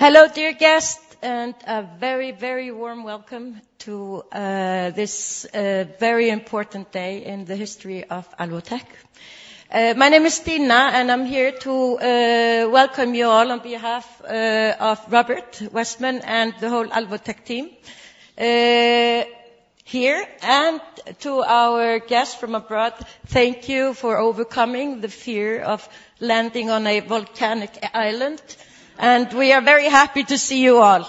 Hello, dear guests, and a very, very warm welcome to this very important day in the history of Alvotech. My name is Tina, and I'm here to welcome you all on behalf of Róbert Wessman and the whole Alvotech team here, and to our guests from abroad. Thank you for overcoming the fear of landing on a volcanic island, and we are very happy to see you all.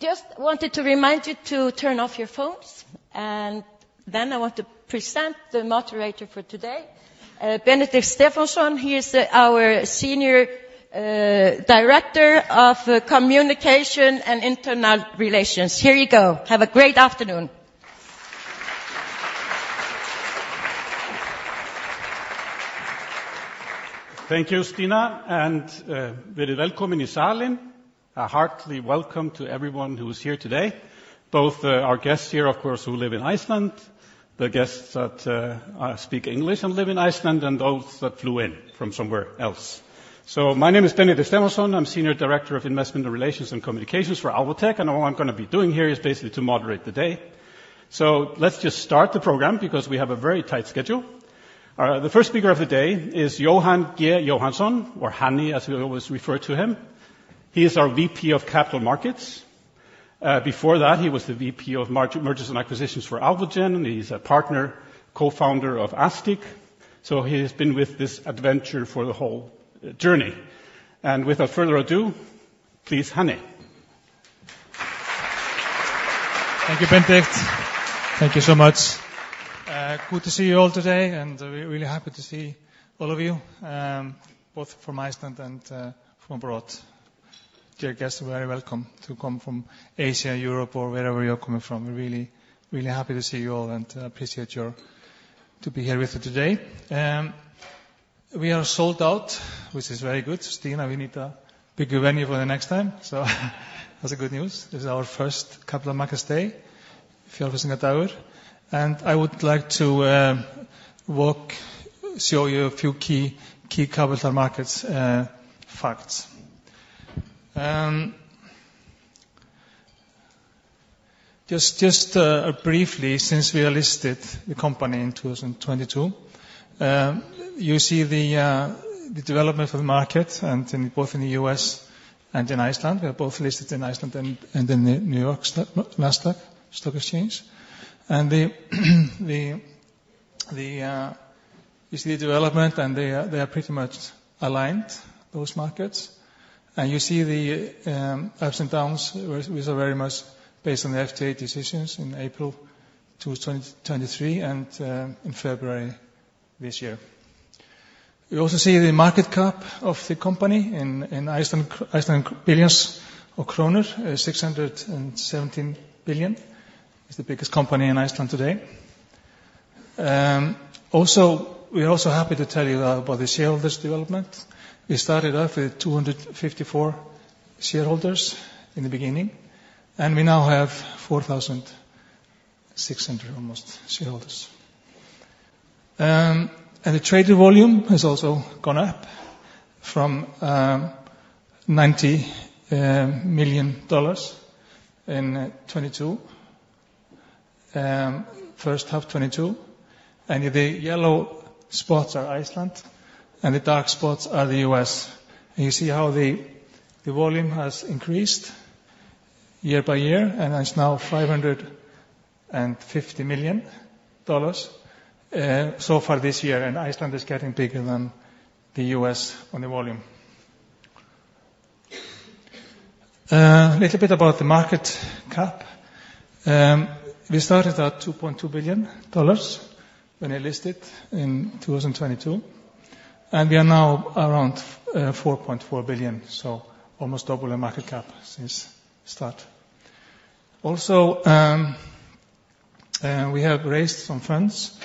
Just wanted to remind you to turn off your phones, and then I want to present the moderator for today, Benedikt Stefánsson. He is our senior director of communication and investor relations. Here you go. Have a great afternoon. Thank you, Stina, and very welcome in the salon. A hearty welcome to everyone who is here today, both our guests here, of course, who live in Iceland, the guests that speak English and live in Iceland, and those that flew in from somewhere else. So my name is Benedikt Stefánsson. I'm Senior Director of Investor Relations and Communications for Alvotech, and all I'm going to be doing here is basically to moderate the day. So let's just start the program because we have a very tight schedule. The first speaker of the day is Jóhann Geir Jóhannsson, or Hanni, as we always refer to him. He is our VP of capital markets. Before that, he was the VP of mergers and acquisitions for Alvogen, and he's a partner, co-founder of Aztiq, so he has been with this adventure for the whole journey. And without further ado, please, Hanni. Thank you, Benedikt. Thank you so much. Good to see you all today, and we're really happy to see all of you, both from Iceland and from abroad. Dear guests, very welcome to come from Asia, Europe, or wherever you're coming from. We're really, really happy to see you all and appreciate your to be here with us today. We are sold out, which is very good. Stina, we need a bigger venue for the next time, so that's good news. This is our first capital markets day, Fjällrävenska Tower, and I would like to walk show you a few key capital markets facts. Just briefly, since we are listed the company in 2022, you see the development of the market, and both in the U.S. and in Iceland. We are both listed in Iceland and in the New York stock, NASDAQ stock exchange, and you see the development, and they are pretty much aligned, those markets, and you see the ups and downs. We're very much based on the FDA decisions in April 2023 and in February this year. You also see the market cap of the company in Iceland, Icelandic billions of krónur, kronur 617 billion. It's the biggest company in Iceland today. We are also happy to tell you about the shareholders' development. We started off with 254 shareholders in the beginning, and we now have almost 4,600 shareholders. And the trading volume has also gone up from $90 million in 2022, first half 2022, and the yellow spots are Iceland and the dark spots are the U.S.. You see how the volume has increased year by year, and it's now $550 million, so far this year, and Iceland is getting bigger than the U.S. on the volume. A little bit about the market cap. We started at $2.2 billion when we listed in 2022, and we are now around $4.4 billion, so almost double the market cap since start. Also, we have raised some funds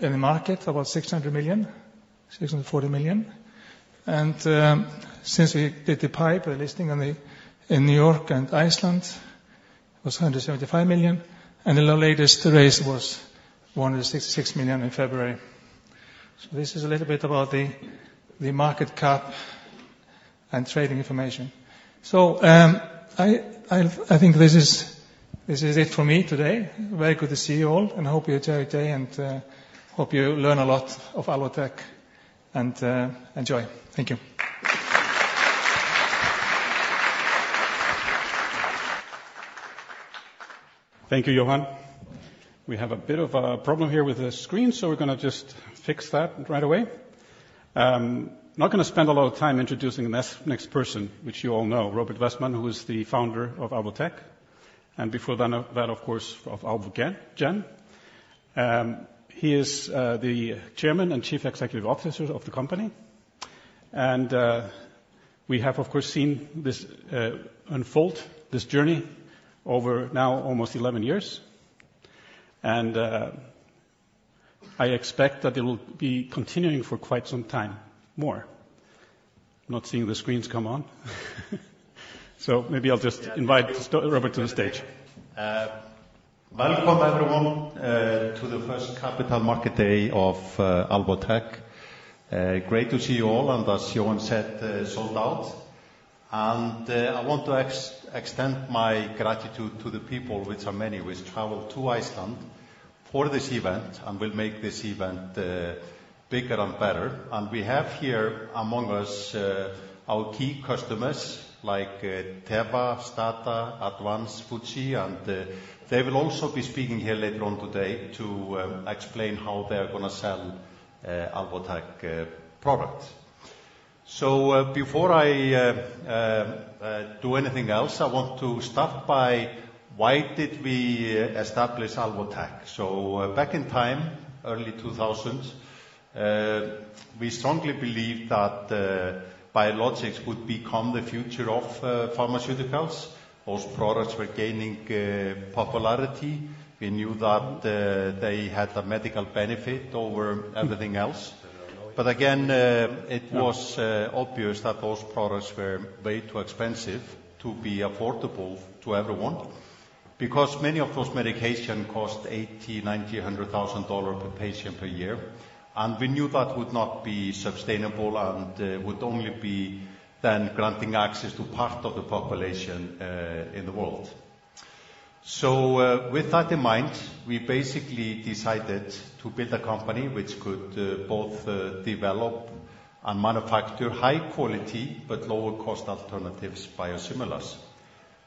in the market, about $600 million-$640 million, and since we did the PIPE, the listing in New York and Iceland, it was $175 million, and the latest raise was $166 million in February. So this is a little bit about the market cap and trading information. So, I think this is it for me today. Very good to see you all, and I hope you enjoy your day, and hope you learn a lot of Alvotech and enjoy. Thank you. Thank you, Jóhann. We have a bit of a problem here with the screen, so we're going to just fix that right away. Not going to spend a lot of time introducing the next person, which you all know, Róbert Wessman, who is the founder of Alvotech, and before that, of course, of Alvogen. He is the Chairman and Chief Executive Officer of the company, and we have, of course, seen this unfold, this journey over now almost 11 years, and I expect that it will be continuing for quite some time more. I'm not seeing the screens come on, so maybe I'll just invite Róbert to the stage. Welcome, everyone, to the first Capital Markets Day of Alvotech. Great to see you all, and as Jóhann said, sold out, and I want to extend my gratitude to the people, which are many, which traveled to Iceland for this event and will make this event bigger and better, and we have here among us our key customers like Teva, STADA, Advanz Pharma, Fuji, and they will also be speaking here later on today to explain how they are going to sell Alvotech products. So, before I do anything else, I want to start by why did we establish Alvotech. So, back in time, early 2000s, we strongly believed that biologics would become the future of pharmaceuticals. Those products were gaining popularity. We knew that they had a medical benefit over everything else, but again, it was obvious that those products were way too expensive to be affordable to everyone because many of those medications cost $80,000, $90,000, $100,000 per patient per year, and we knew that would not be sustainable and would only be then granting access to part of the population in the world. So, with that in mind, we basically decided to build a company which could both develop and manufacture high-quality but lower-cost alternatives, biosimilars,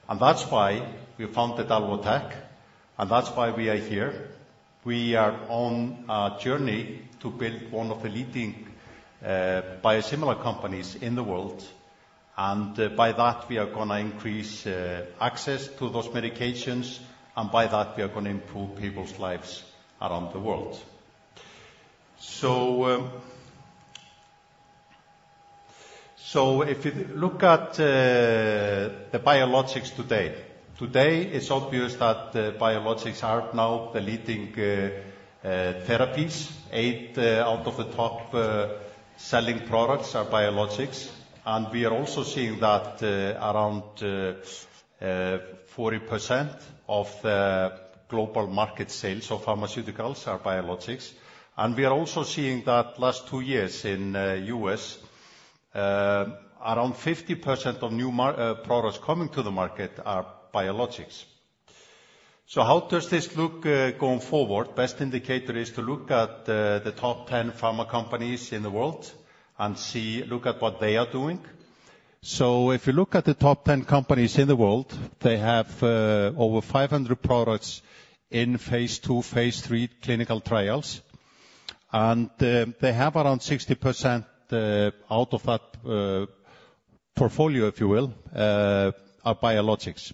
and that's why we founded Alvotech, and that's why we are here. We are on a journey to build one of the leading biosimilar companies in the world, and by that, we are going to increase access to those medications, and by that, we are going to improve people's lives around the world. So, if you look at the biologics today, today it's obvious that biologics are now the leading therapies. 8 out of the top selling products are biologics, and we are also seeing that around 40% of the global market sales of pharmaceuticals are biologics, and we are also seeing that last two years in the U.S., around 50% of new market products coming to the market are biologics. So how does this look going forward? Best indicator is to look at the top 10 pharma companies in the world and see look at what they are doing. So if you look at the top 10 companies in the world, they have over 500 products in phase 2, phase 3 clinical trials, and they have around 60% out of that portfolio, if you will, are biologics.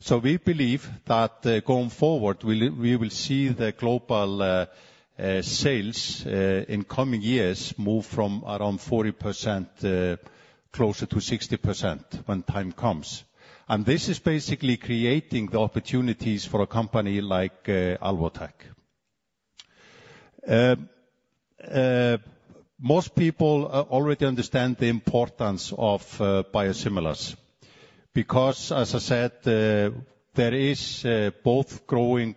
So we believe that, going forward, we will see the global sales in coming years move from around 40% closer to 60% when time comes, and this is basically creating the opportunities for a company like Alvotech. Most people already understand the importance of biosimilars because, as I said, there is both growing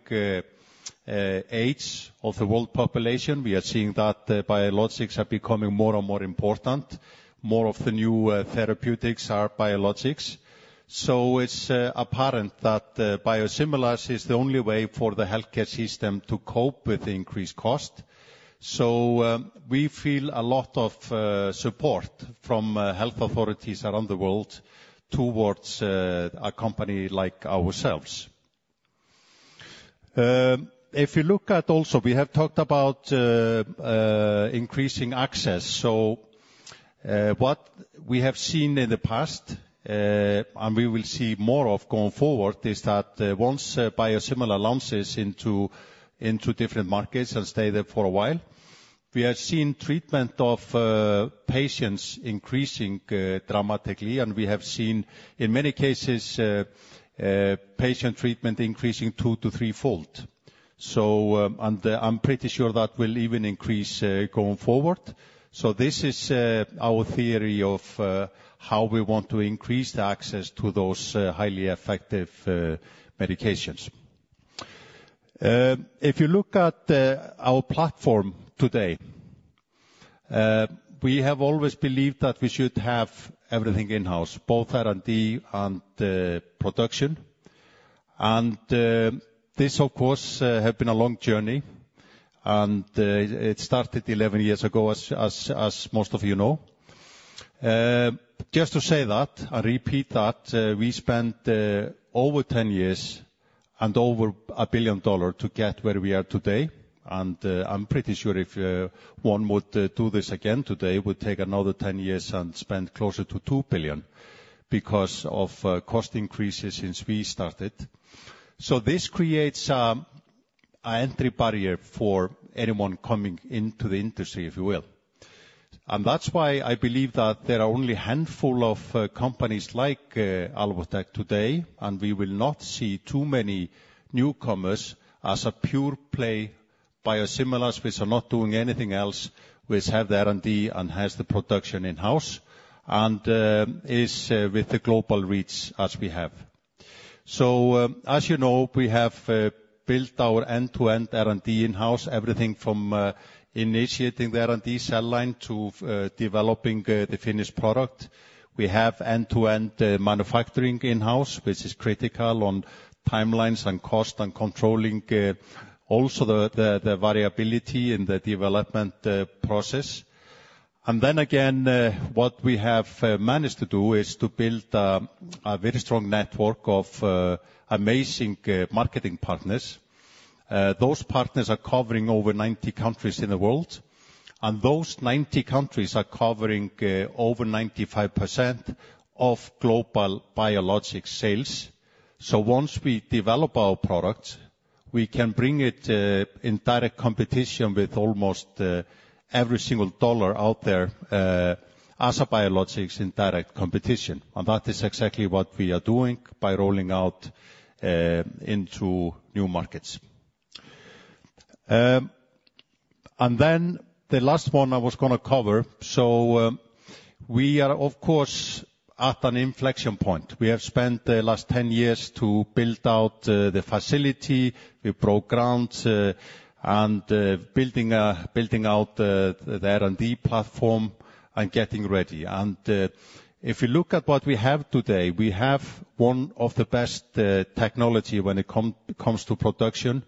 age of the world population. We are seeing that biologics are becoming more and more important. More of the new therapeutics are biologics, so it's apparent that biosimilars is the only way for the healthcare system to cope with the increased cost. So we feel a lot of support from health authorities around the world towards a company like ourselves. If you look at also we have talked about increasing access, so what we have seen in the past, and we will see more of going forward, is that once biosimilar launches into different markets and stay there for a while, we have seen treatment of patients increasing dramatically, and we have seen, in many cases, patient treatment increasing 2- to 3-fold. So, and I'm pretty sure that will even increase going forward. So this is our theory of how we want to increase the access to those highly effective medications. If you look at our platform today, we have always believed that we should have everything in-house, both R&D and production, and this, of course, has been a long journey, and it started 11 years ago, as most of you know. Just to say that and repeat that, we spent over 10 years and over $1 billion to get where we are today, and I'm pretty sure if one would do this again today, it would take another 10 years and spend closer to $2 billion because of cost increases since we started. So this creates an entry barrier for anyone coming into the industry, if you will, and that's why I believe that there are only a handful of companies like Alvotech today, and we will not see too many newcomers as a pure-play biosimilars, which are not doing anything else, which have the R&D and have the production in-house, and is with the global reach as we have. So, as you know, we have built our end-to-end R&D in-house, everything from initiating the R&D cell line to developing the finished product. We have end-to-end manufacturing in-house, which is critical on timelines and cost and controlling also the variability in the development process, and then again, what we have managed to do is to build a very strong network of amazing marketing partners. Those partners are covering over 90 countries in the world, and those 90 countries are covering over 95% of global biologics sales. So once we develop our product, we can bring it in direct competition with almost every single dollar out there, as a biologics in direct competition, and that is exactly what we are doing by rolling out into new markets. Then the last one I was going to cover, so we are, of course, at an inflection point. We have spent the last 10 years to build out the facility. We broke ground and building out the R&D platform and getting ready, and if you look at what we have today, we have one of the best technology when it comes to production.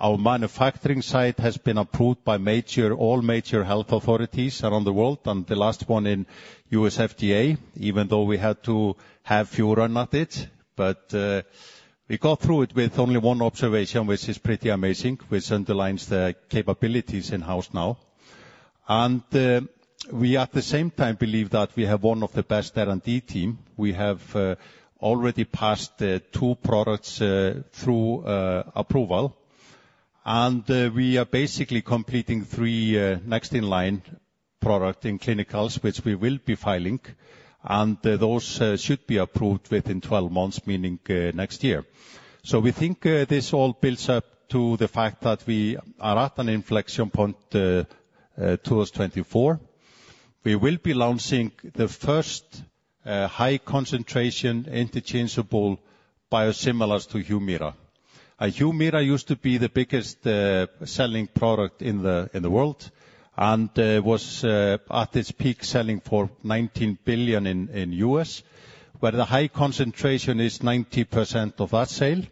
Our manufacturing site has been approved by all major health authorities around the world, and the last one in U.S. FDA, even though we had to have fewer on it, but we got through it with only one observation, which is pretty amazing, which underlines the capabilities in-house now, and we at the same time believe that we have one of the best R&D teams. We have already passed 2 products through approval, and we are basically completing 3 next-in-line products in clinicals, which we will be filing, and those should be approved within 12 months, meaning next year. So we think, this all builds up to the fact that we are at an inflection point, towards 2024. We will be launching the first, high-concentration interchangeable biosimilars to Humira. Humira used to be the biggest, selling product in the world and, was, at its peak selling for $19 billion in the U.S., where the high concentration is 90% of that sale,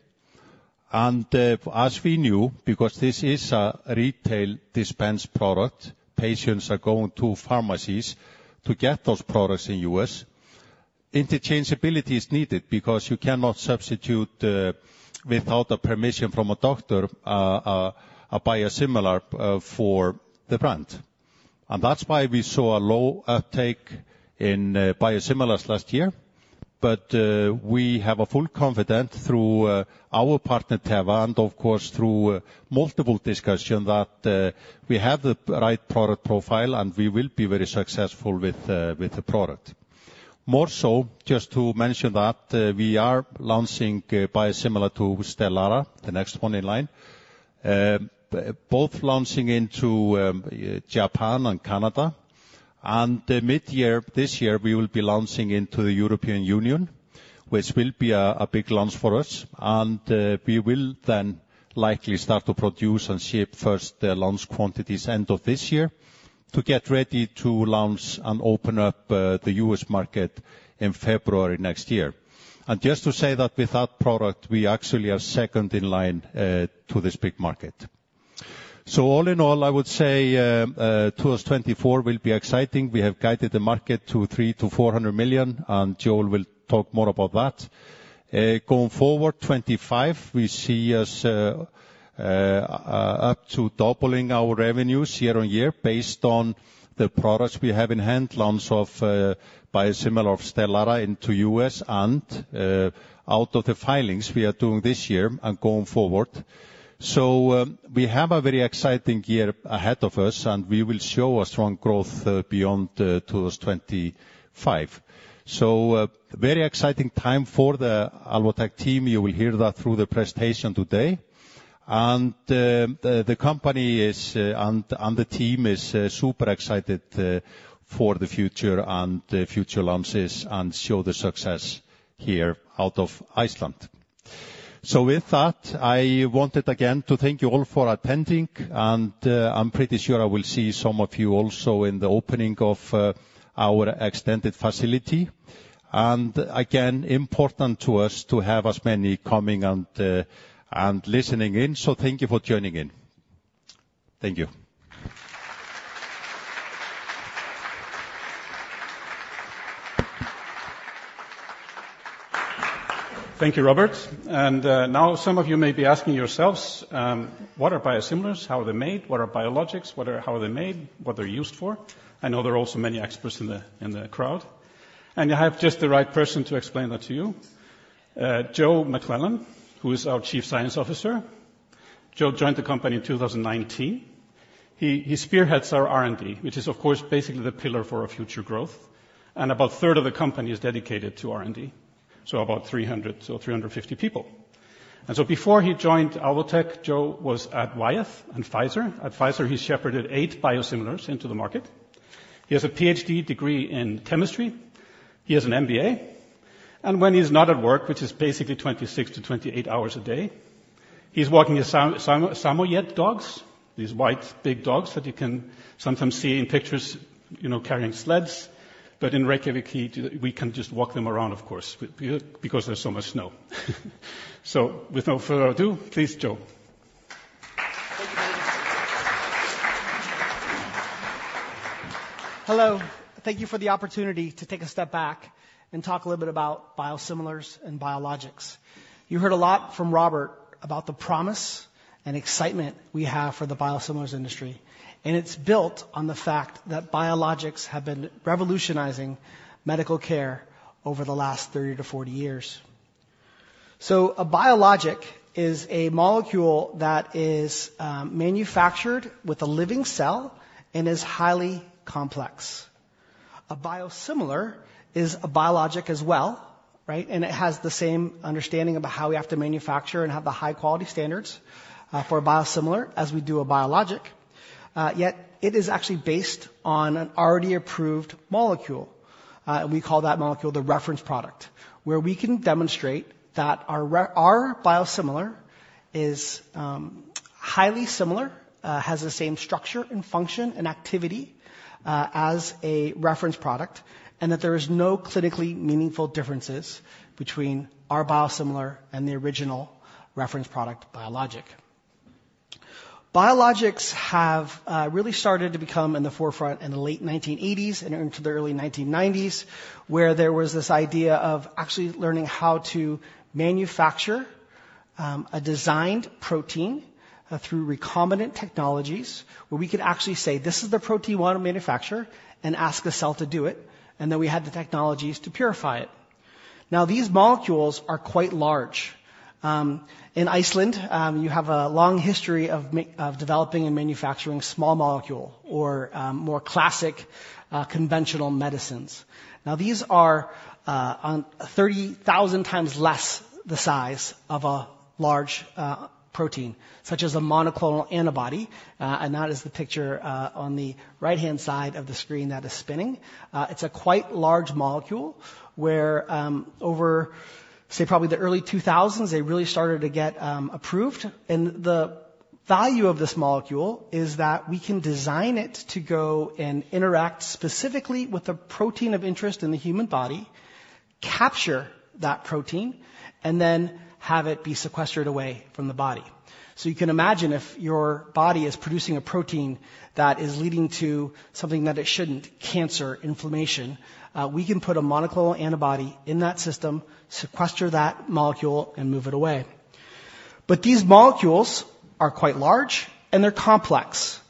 and, as we knew, because this is a retail dispense product, patients are going to pharmacies to get those products in U.S., interchangeability is needed because you cannot substitute, without a permission from a doctor, a biosimilar, for the brand, and that's why we saw a low uptake in biosimilars last year, but, we have a full confidence through our partner Teva and, of course, through multiple discussions that we have the right product profile and we will be very successful with the product. More so, just to mention that we are launching a biosimilar to Stelara, the next one in line, both launching into Japan and Canada, and mid-year this year we will be launching into the European Union, which will be a big launch for us, and we will then likely start to produce and ship first launch quantities end of this year to get ready to launch and open up the U.S. market in February next year, and just to say that with that product we actually are second in line to this big market. So all in all I would say towards 2024 will be exciting. We have guided the market to $300 million-$400 million, and Joe will talk more about that. Going forward 2025 we see us up to doubling our revenues year on year based on the products we have in hand, launch of biosimilar of Stelara into U.S. and out of the filings we are doing this year and going forward. So, we have a very exciting year ahead of us and we will show a strong growth beyond towards 2025. So, very exciting time for the Alvotech team. You will hear that through the presentation today and the company is, and the team is super excited for the future and future launches and show the success here out of Iceland. So with that, I wanted again to thank you all for attending and I'm pretty sure I will see some of you also in the opening of our extended facility and again important to us to have as many coming and listening in, so thank you for joining in. Thank you. Thank you, Róbert, and now some of you may be asking yourselves, what are biosimilars, how are they made, what are biologics, how are they made, what are they used for. I know there are also many experts in the crowd, and I have just the right person to explain that to you, Joe McClellan, who is our Chief Scientific Officer. Joe joined the company in 2019. He spearheads our R&D, which is, of course, basically the pillar for our future growth, and about a third of the company is dedicated to R&D, so about 300-350 people. Before he joined Alvotech, Joe was at Wyeth and Pfizer. At Pfizer he shepherded 8 biosimilars into the market. He has a Ph.D. degree in chemistry. He has an M.B.A., and when he's not at work, which is basically 26-28 hours a day, he's walking his Samoyed dogs, these white big dogs that you can sometimes see in pictures, you know, carrying sleds, but in Reykjavík we can just walk them around, of course, because there's so much snow. With no further ado, please, Joe. Hello. Thank you for the opportunity to take a step back and talk a little bit about biosimilars and biologics. You heard a lot from Róbert about the promise and excitement we have for the biosimilars industry, and it's built on the fact that biologics have been revolutionizing medical care over the last 30-40 years. So a biologic is a molecule that is manufactured with a living cell and is highly complex. A biosimilar is a biologic as well, right, and it has the same understanding about how we have to manufacture and have the high-quality standards for a biosimilar as we do a biologic, yet it is actually based on an already approved molecule, and we call that molecule the reference product, where we can demonstrate that our biosimilar is highly similar, has the same structure and function and activity as a reference product, and that there are no clinically meaningful differences between our biosimilar and the original reference product biologic. Biologics have really started to become in the forefront in the late 1980s and into the early 1990s, where there was this idea of actually learning how to manufacture a designed protein through recombinant technologies, where we could actually say, "This is the protein we want to manufacture," and ask a cell to do it, and then we had the technologies to purify it. Now, these molecules are quite large. In Iceland, you have a long history of manufacturing of developing and manufacturing small molecule or, more classic, conventional medicines. Now, these are one 30,000 times less the size of a large protein, such as a monoclonal antibody, and that is the picture on the right-hand side of the screen that is spinning. It's a quite large molecule where, over, say, probably the early 2000s, they really started to get approved, and the value of this molecule is that we can design it to go and interact specifically with a protein of interest in the human body, capture that protein, and then have it be sequestered away from the body. So you can imagine if your body is producing a protein that is leading to something that it shouldn't, cancer, inflammation, we can put a monoclonal antibody in that system, sequester that molecule, and move it away. But these molecules are quite large, and they're complex.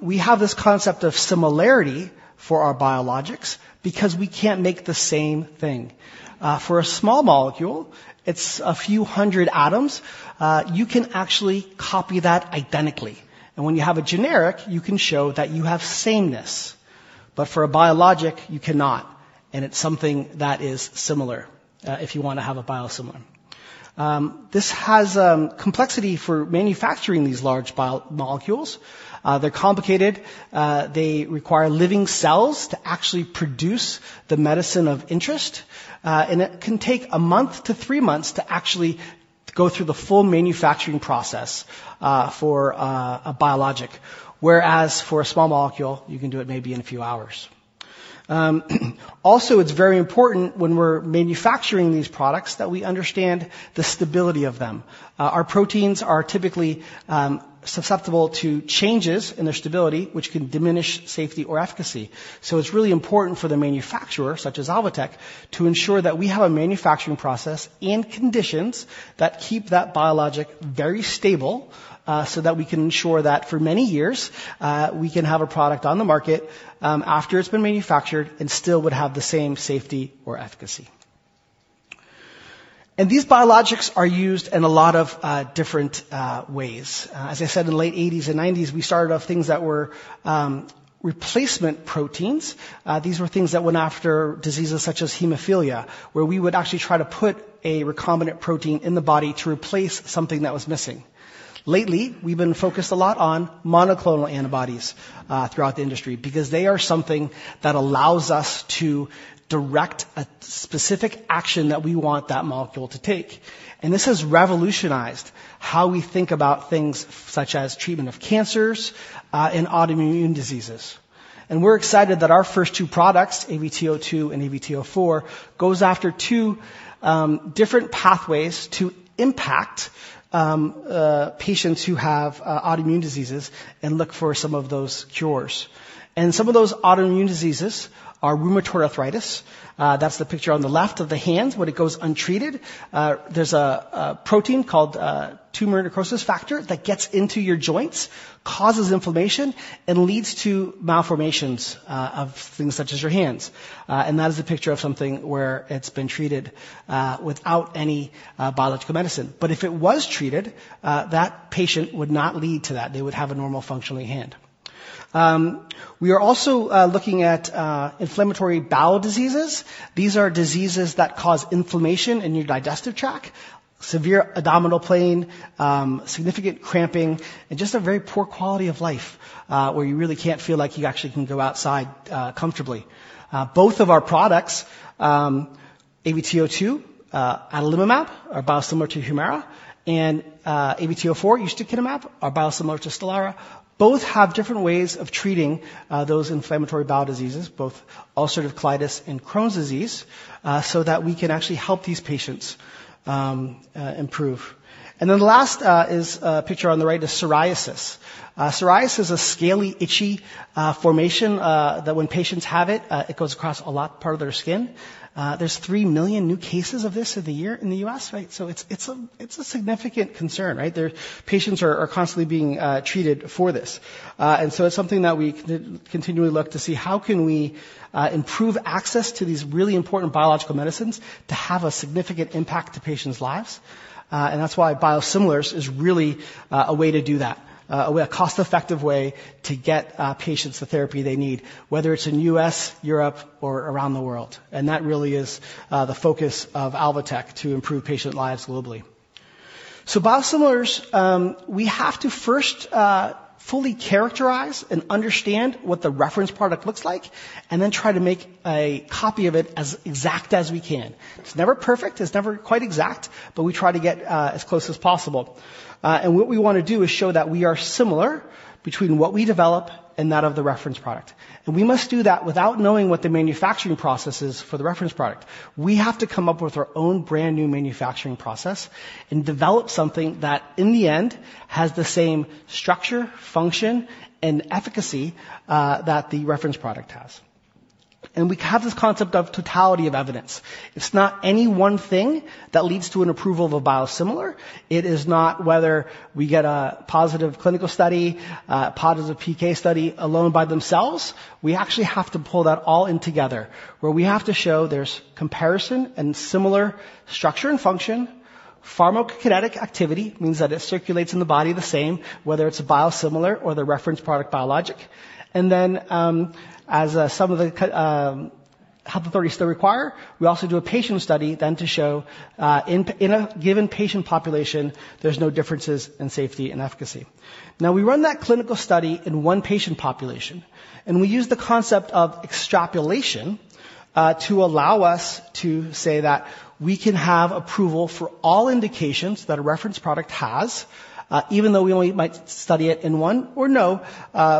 We have this concept of similarity for our biologics because we can't make the same thing. For a small molecule, it's a few hundred atoms, you can actually copy that identically, and when you have a generic, you can show that you have sameness, but for a biologic, you cannot, and it's something that is similar if you want to have a biosimilar. This has complexity for manufacturing these large biological molecules. They're complicated. They require living cells to actually produce the medicine of interest, and it can take 1-3 months to actually go through the full manufacturing process for a biologic, whereas for a small molecule you can do it maybe in a few hours. Also, it's very important when we're manufacturing these products that we understand the stability of them. Our proteins are typically susceptible to changes in their stability, which can diminish safety or efficacy, so it's really important for the manufacturer, such as Alvotech, to ensure that we have a manufacturing process and conditions that keep that biologic very stable, so that we can ensure that for many years, we can have a product on the market after it's been manufactured and still would have the same safety or efficacy. And these biologics are used in a lot of different ways. As I said, in the late 1980s and 1990s we started off things that were replacement proteins. These were things that went after diseases such as hemophilia, where we would actually try to put a recombinant protein in the body to replace something that was missing. Lately, we've been focused a lot on monoclonal antibodies, throughout the industry because they are something that allows us to direct a specific action that we want that molecule to take, and this has revolutionized how we think about things such as treatment of cancers, and autoimmune diseases, and we're excited that our first two products, AVT02 and AVT04, go after two, different pathways to impact, patients who have, autoimmune diseases and look for some of those cures. Some of those autoimmune diseases are rheumatoid arthritis. That's the picture on the left of the hands. When it goes untreated, there's a protein called tumor necrosis factor that gets into your joints, causes inflammation, and leads to malformations of things such as your hands, and that is a picture of something where it's been treated without any biological medicine, but if it was treated, that patient would not lead to that. They would have a normal functional hand. We are also looking at inflammatory bowel diseases. These are diseases that cause inflammation in your digestive tract, severe abdominal pain, significant cramping, and just a very poor quality of life, where you really can't feel like you actually can go outside comfortably. Both of our products, AVT02, adalimumab, are biosimilar to Humira, and AVT04, ustekinumab, are biosimilar to Stelara. Both have different ways of treating those inflammatory bowel diseases, both ulcerative colitis and Crohn's disease, so that we can actually help these patients improve. And then the last is a picture on the right: psoriasis. Psoriasis is a scaly, itchy formation that, when patients have it, goes across a large part of their skin. There are 3 million new cases of this in a year in the U.S., right? So it's a significant concern, right? Their patients are constantly being treated for this, and so it's something that we continually look to see how can we improve access to these really important biological medicines to have a significant impact to patients' lives, and that's why biosimilars is really a way to do that, a cost-effective way to get patients the therapy they need, whether it's in the U.S., Europe, or around the world, and that really is the focus of Alvotech to improve patient lives globally. Biosimilars, we have to first fully characterize and understand what the reference product looks like, and then try to make a copy of it as exact as we can. It's never perfect. It's never quite exact, but we try to get as close as possible. What we want to do is show that we are similar between what we develop and that of the reference product, and we must do that without knowing what the manufacturing process is for the reference product. We have to come up with our own brand new manufacturing process and develop something that, in the end, has the same structure, function, and efficacy that the reference product has, and we have this concept of totality of evidence. It's not any one thing that leads to an approval of a biosimilar. It is not whether we get a positive clinical study, a positive PK study alone by themselves. We actually have to pull that all in together, where we have to show there's comparison and similar structure and function. Pharmacokinetic activity means that it circulates in the body the same, whether it's a biosimilar or the reference product biologic, and then, as some of the health authorities still require, we also do a patient study then to show, in a given patient population there's no differences in safety and efficacy. Now, we run that clinical study in one patient population, and we use the concept of extrapolation to allow us to say that we can have approval for all indications that a reference product has, even though we only might study it in one or no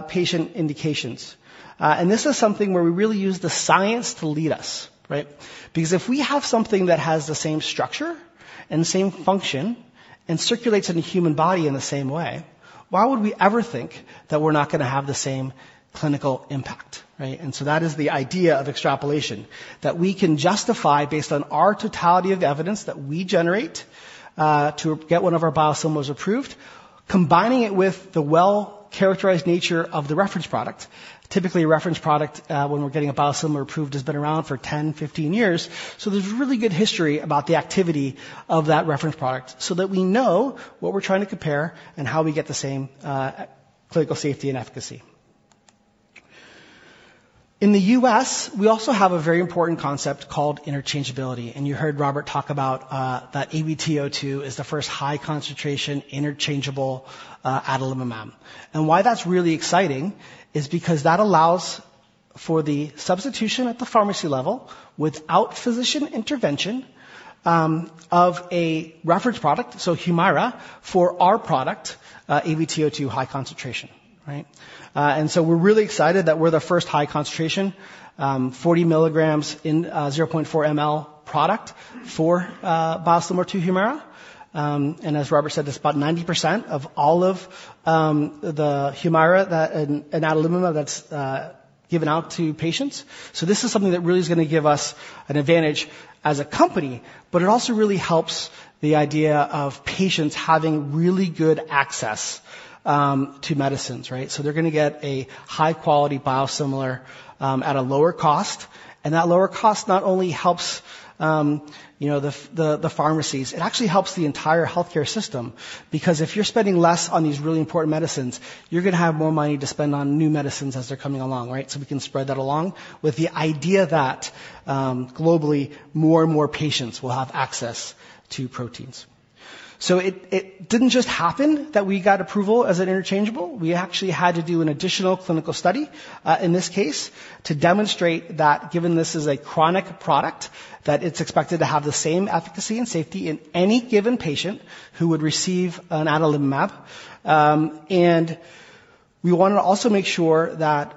patient indications. And this is something where we really use the science to lead us, right, because if we have something that has the same structure and the same function and circulates in the human body in the same way, why would we ever think that we're not going to have the same clinical impact, right? And so that is the idea of extrapolation, that we can justify based on our totality of evidence that we generate to get one of our biosimilars approved, combining it with the well-characterized nature of the reference product. Typically, a reference product, when we're getting a biosimilar approved, has been around for 10, 15 years, so there's really good history about the activity of that reference product so that we know what we're trying to compare and how we get the same, clinical safety and efficacy. In the US, we also have a very important concept called interchangeability, and you heard Róbert talk about that AVT02 is the first high-concentration interchangeable adalimumab, and why that's really exciting is because that allows for the substitution at the pharmacy level without physician intervention of a reference product, so Humira, for our product, AVT02 high concentration, right, and so we're really excited that we're the first high-concentration 40 mg in 0.4 mL product for biosimilar to Humira, and as Róbert said, it's about 90% of all of the Humira that adalimumab that's given out to patients, so this is something that really is going to give us an advantage as a company, but it also really helps the idea of patients having really good access to medicines, right, so they're going to get a high-quality biosimilar at a lower cost, and that lower cost not only helps, you know, the, the, the pharmacies, it actually helps the entire healthcare system because if you're spending less on these really important medicines, you're going to have more money to spend on new medicines as they're coming along, right, so we can spread that along with the idea that globally more and more patients will have access to proteins. So it didn't just happen that we got approval as an interchangeable. We actually had to do an additional clinical study, in this case to demonstrate that given this is a chronic product that it's expected to have the same efficacy and safety in any given patient who would receive an adalimumab, and we wanted to also make sure that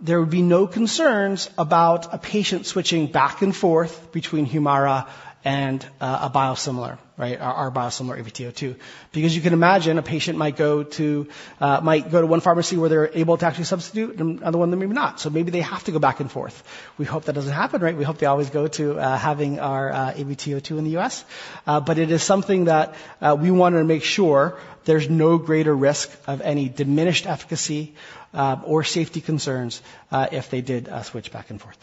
there would be no concerns about a patient switching back and forth between Humira and a biosimilar, right, our biosimilar AVT02, because you can imagine a patient might go to one pharmacy where they're able to actually substitute and another one they maybe not, so maybe they have to go back and forth. We hope that doesn't happen, right? We hope they always go to having our AVT02 in the U.S., but it is something that we wanted to make sure there's no greater risk of any diminished efficacy or safety concerns if they did switch back and forth.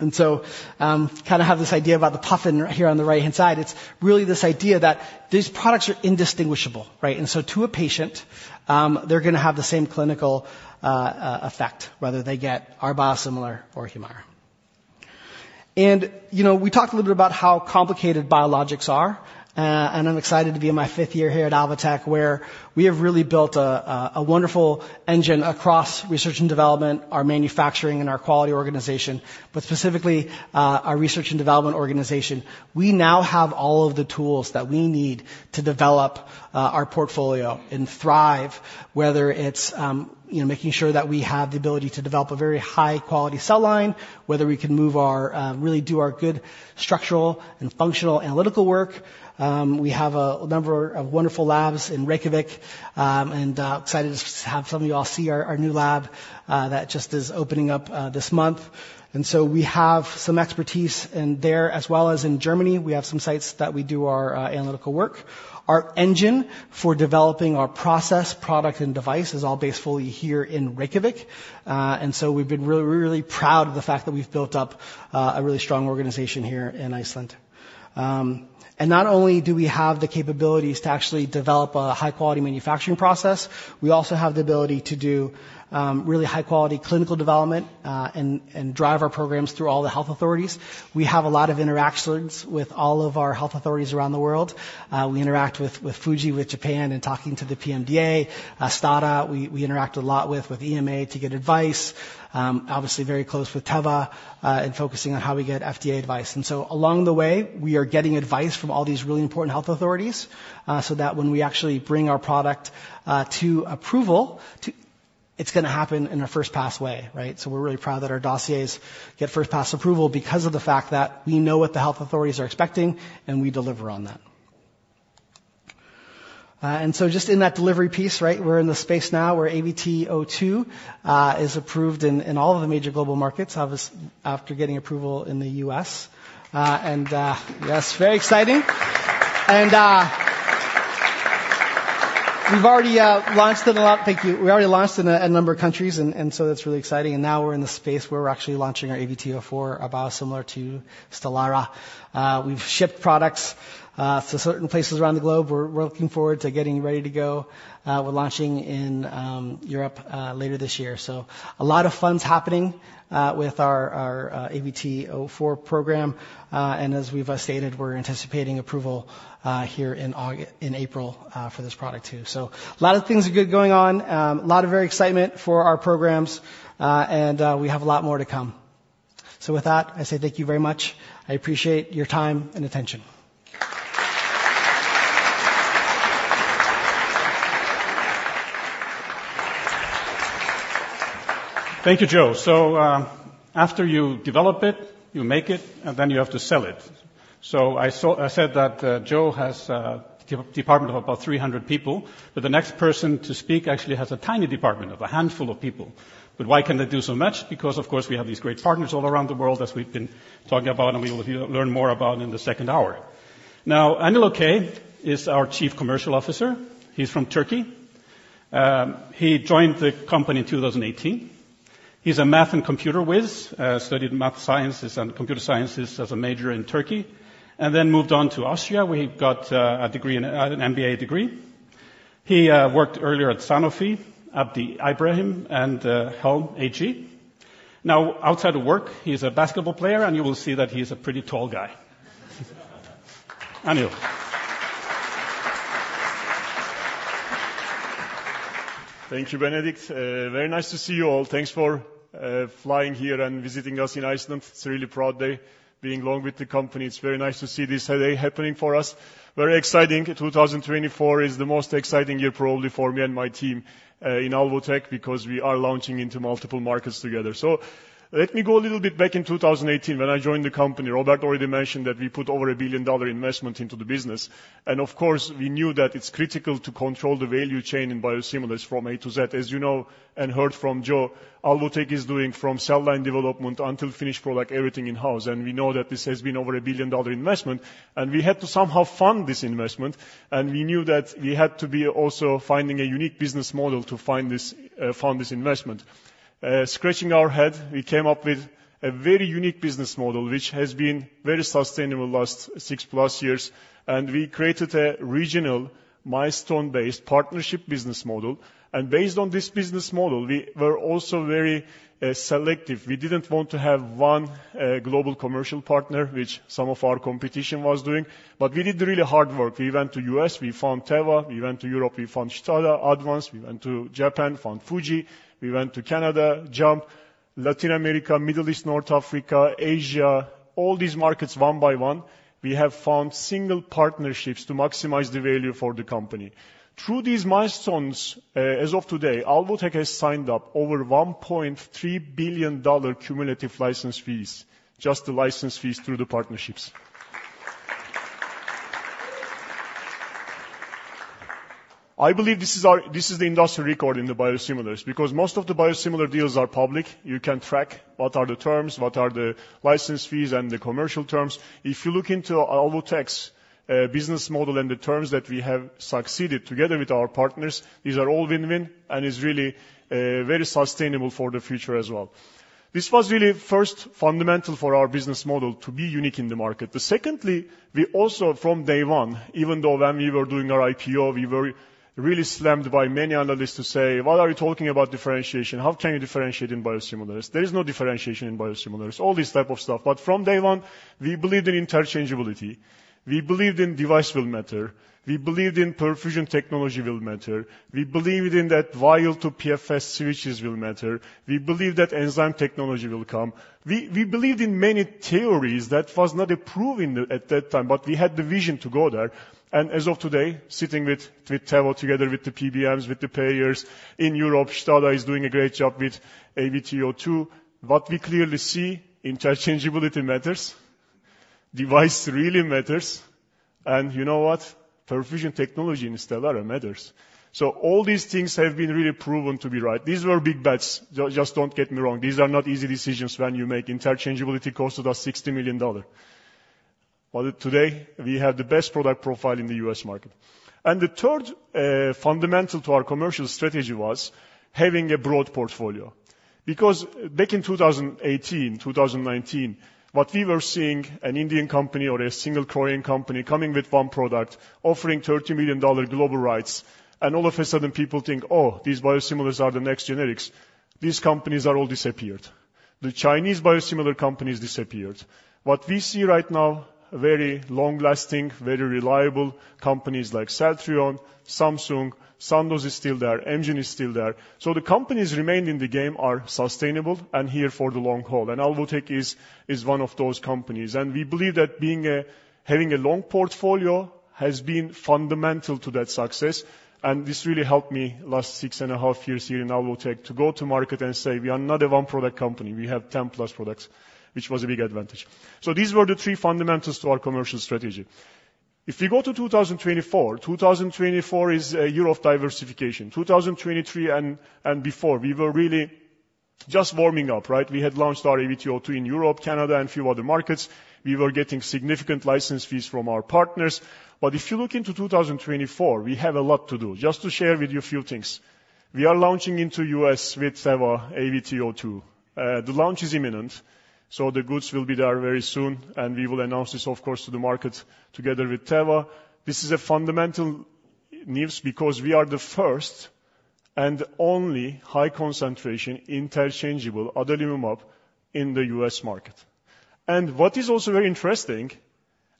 And so kind of have this idea about the puffin here on the right-hand side. It's really this idea that these products are indistinguishable, right, and so to a patient, they're going to have the same clinical effect whether they get our biosimilar or Humira. And you know, we talked a little bit about how complicated biologics are, and I'm excited to be in my fifth year here at Alvotech where we have really built a wonderful engine across research and development, our manufacturing, and our quality organization, but specifically our research and development organization. We now have all of the tools that we need to develop our portfolio and thrive, whether it's, you know, making sure that we have the ability to develop a very high-quality cell line, whether we can move our really do our good structural and functional analytical work. We have a number of wonderful labs in Reykjavik, and excited to have some of you all see our new lab that just is opening up this month, and so we have some expertise in there as well as in Germany. We have some sites that we do our analytical work. Our engine for developing our process, product, and device is all based fully here in Reykjavik, and so we've been really really proud of the fact that we've built up a really strong organization here in Iceland. And not only do we have the capabilities to actually develop a high-quality manufacturing process, we also have the ability to do really high-quality clinical development, and drive our programs through all the health authorities. We have a lot of interactions with all of our health authorities around the world. We interact with Fuji, with Japan, and talking to the PMDA, STADA. We interact a lot with EMA to get advice, obviously very close with Teva, and focusing on how we get FDA advice, and so along the way we are getting advice from all these really important health authorities, so that when we actually bring our product to approval, it's going to happen in a first-pass way, right, so we're really proud that our dossiers get first-pass approval because of the fact that we know what the health authorities are expecting and we deliver on that. And so just in that delivery piece, right, we're in the space now where AVT02 is approved in all of the major global markets, obviously after getting approval in the U.S., and yes, very exciting, and we've already launched it a lot. Thank you. We already launched it in a number of countries, and so that's really exciting, and now we're in the space where we're actually launching our AVT04, a biosimilar to Stelara. We've shipped products to certain places around the globe. We're looking forward to getting ready to go, we're launching in Europe later this year, so a lot of fun's happening with our AVT04 program, and as we've stated, we're anticipating approval here in August, in April, for this product too, so a lot of things are good going on, a lot of very excitement for our programs, and we have a lot more to come. So with that, I say thank you very much. I appreciate your time and attention. Thank you, Joel. So, after you develop it, you make it, and then you have to sell it, so I saw I said that, Joel has a department of about 300 people, but the next person to speak actually has a tiny department of a handful of people, but why can they do so much? Because, of course, we have these great partners all around the world, as we've been talking about, and we will learn more about in the second hour. Now, Anil Okay is our Chief Commercial Officer. He's from Turkey. He joined the company in 2018. He's a math and computer whiz. Studied math sciences and computer sciences as a major in Turkey and then moved on to Austria, where he got a degree and an MBA degree. He worked earlier at Sanofi, Abdi Ibrahim, and Helm AG. Now, outside of work, he's a basketball player, and you will see that he's a pretty tall guy. Anil. Thank you, Benedikt. Very nice to see you all. Thanks for flying here and visiting us in Iceland. It's a really proud day being along with the company. It's very nice to see this day happening for us. Very exciting. 2024 is the most exciting year probably for me and my team in Alvotech because we are launching into multiple markets together, so let me go a little bit back in 2018 when I joined the company. Róbert already mentioned that we put over $1 billion investment into the business, and of course we knew that it's critical to control the value chain in biosimilars from A to Z. As you know and heard from Joel, Alvotech is doing from cell line development until finished product everything in-house, and we know that this has been over a $1 billion investment, and we had to somehow fund this investment, and we knew that we had to be also finding a unique business model to find this, fund this investment. Scratching our head, we came up with a very unique business model which has been very sustainable last 6+ years, and we created a regional, milestone-based partnership business model, and based on this business model, we were also very, selective. We didn't want to have one, global commercial partner, which some of our competition was doing, but we did the really hard work. We went to the U.S. We found Teva. We went to Europe. We found STADA Advanz. We went to Japan. Found Fuji. We went to Canada, JAMP, Latin America, Middle East, North Africa, Asia, all these markets one by one. We have found single partnerships to maximize the value for the company. Through these milestones, as of today, Alvotech has signed up over $1.3 billion cumulative license fees, just the license fees through the partnerships. I believe this is our this is the industry record in the biosimilars because most of the biosimilar deals are public. You can track what are the terms, what are the license fees, and the commercial terms. If you look into Alvotech's business model and the terms that we have succeeded together with our partners, these are all win-win and is really very sustainable for the future as well. This was really first fundamental for our business model to be unique in the market. Secondly, we also from day one, even though when we were doing our IPO, we were really slammed by many analysts to say, "What are you talking about differentiation? How can you differentiate in biosimilars? There is no differentiation in biosimilars," all this type of stuff, but from day one, we believed in interchangeability. We believed in device will matter. We believed in perfusion technology will matter. We believed in that vial to PFS switches will matter. We believed that enzyme technology will come. We believed in many theories that was not approved at that time, but we had the vision to go there, and as of today, sitting with Teva together with the PBMs, with the payers in Europe, STADA is doing a great job with AVT02, what we clearly see, interchangeability matters, device really matters, and you know what? Perfusion technology in Stelara matters, so all these things have been really proven to be right. These were big bets. Just don't get me wrong. These are not easy decisions when you make. Interchangeability costed us $60 million, but today we have the best product profile in the U.S. market, and the third, fundamental to our commercial strategy was having a broad portfolio because back in 2018, 2019, what we were seeing, an Indian company or a single Korean company coming with one product, offering $30 million global rights, and all of a sudden people think, "Oh, these biosimilars are the next generics." These companies are all disappeared. The Chinese biosimilar companies disappeared. What we see right now, very long-lasting, very reliable companies like Celltrion, Samsung, Sandoz is still there, engine is still there, so the companies remaining in the game are sustainable and here for the long haul, and Alvotech is one of those companies, and we believe that being a having a long portfolio has been fundamental to that success, and this really helped me last 6.5 years here in Alvotech to go to market and say, "We are not a one-product company. We have 10+ products," which was a big advantage, so these were the three fundamentals to our commercial strategy. If we go to 2024, 2024 is a year of diversification. 2023 and before, we were really just warming up, right? We had launched our AVT02 in Europe, Canada, and a few other markets. We were getting significant license fees from our partners, but if you look into 2024, we have a lot to do. Just to share with you a few things, we are launching into the U.S. with Teva AVT02. The launch is imminent, so the goods will be there very soon, and we will announce this, of course, to the market together with Teva. This is a fundamental news because we are the first and only high-concentration interchangeable adalimumab in the U.S. market, and what is also very interesting,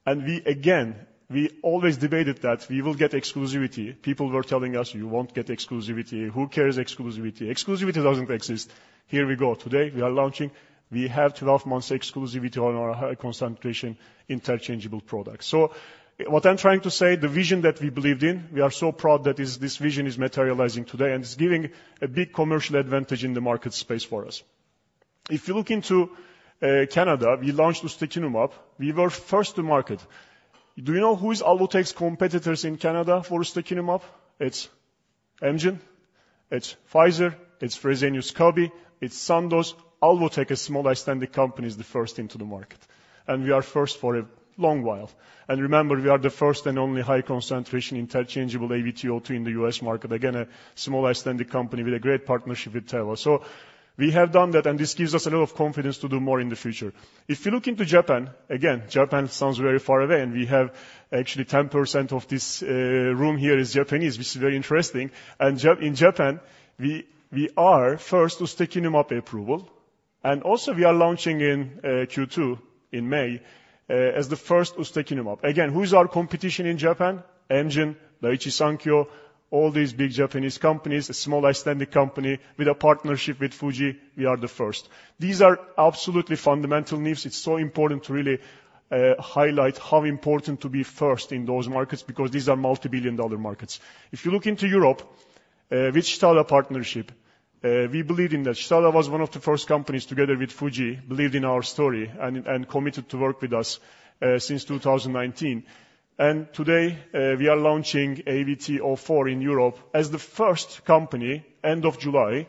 and we again, we always debated that we will get exclusivity. People were telling us, "You won't get exclusivity. Who cares exclusivity? Exclusivity doesn't exist." Here we go. Today we are launching. We have 12 months exclusivity on our high-concentration interchangeable products, so what I'm trying to say, the vision that we believed in, we are so proud that this vision is materializing today, and it's giving a big commercial advantage in the market space for us. If you look into Canada, we launched ustekinumab. We were first to market. Do you know who is Alvotech's competitors in Canada for ustekinumab? It's engine. It's Pfizer. It's Fresenius Kabi. It's Sandoz. Alvotech, a small Icelandic company, is the first into the market, and we are first for a long while, and remember, we are the first and only high-concentration interchangeable AVT02 in the U.S. market, again, a small Icelandic company with a great partnership with Teva, so we have done that, and this gives us a lot of confidence to do more in the future. If you look into Japan, again, Japan sounds very far away, and we have actually 10% of this room here is Japanese, which is very interesting, and in Japan, we are first to ustekinumab approval, and also we are launching in Q2 in May, as the first to ustekinumab. Again, who is our competition in Japan? engine, Daiichi Sankyo, all these big Japanese companies, a small Icelandic company with a partnership with Fuji. We are the first. These are absolutely fundamental news. It's so important to really highlight how important it is to be first in those markets because these are multi-billion dollar markets. If you look into Europe, with STADA partnership, we believed in that. STADA was one of the first companies together with Fuji, believed in our story, and committed to work with us, since 2019, and today we are launching AVT04 in Europe as the first company end of July,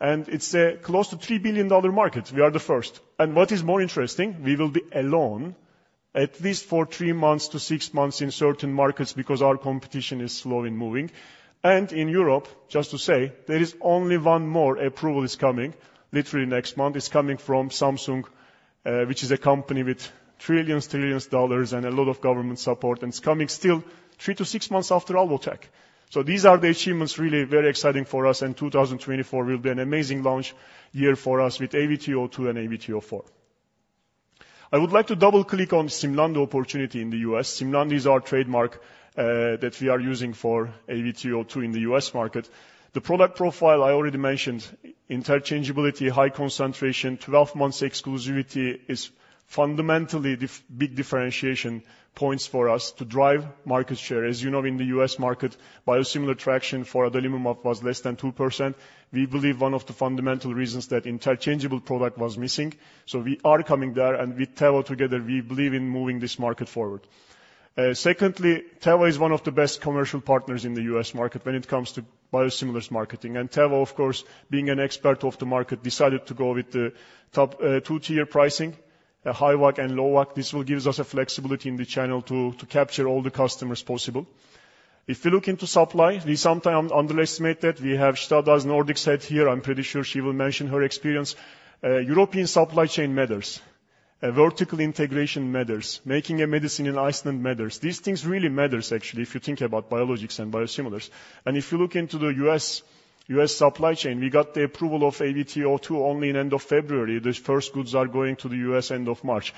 and it's a close to $3 billion market. We are the first, and what is more interesting, we will be alone at least for 3-6 months in certain markets because our competition is slow in moving, and in Europe, just to say, there is only one more approval that is coming literally next month. It's coming from Samsung, which is a company with trillions of dollars and a lot of government support, and it's coming still 3-6 months after Alvotech, so these are the achievements really very exciting for us, and 2024 will be an amazing launch year for us with AVT02 and AVT04. I would like to double-click on Simlandi opportunity in the U.S. Simlandi is our trademark, that we are using for AVT02 in the U.S. market. The product profile I already mentioned, interchangeability, high concentration, 12 months exclusivity, is fundamentally big differentiation points for us to drive market share. As you know, in the U.S. market, biosimilar traction for adalimumab was less than 2%. We believe one of the fundamental reasons that interchangeable product was missing, so we are coming there, and with Teva together, we believe in moving this market forward. Secondly, Teva is one of the best commercial partners in the U.S. market when it comes to biosimilars marketing, and Teva, of course, being an expert of the market, decided to go with the top, two-tier pricing, a high WAC and low WAC. This will give us a flexibility in the channel to capture all the customers possible. If we look into supply, we sometimes underestimate that. We have STADA's Nordic head here. I'm pretty sure she will mention her experience. European supply chain matters. Vertical integration matters. Making a medicine in Iceland matters. These things really matter, actually, if you think about biologics and biosimilars, and if you look into the U.S., U.S. supply chain, we got the approval of AVT02 only in end of February. The first goods are going to the U.S. end of March.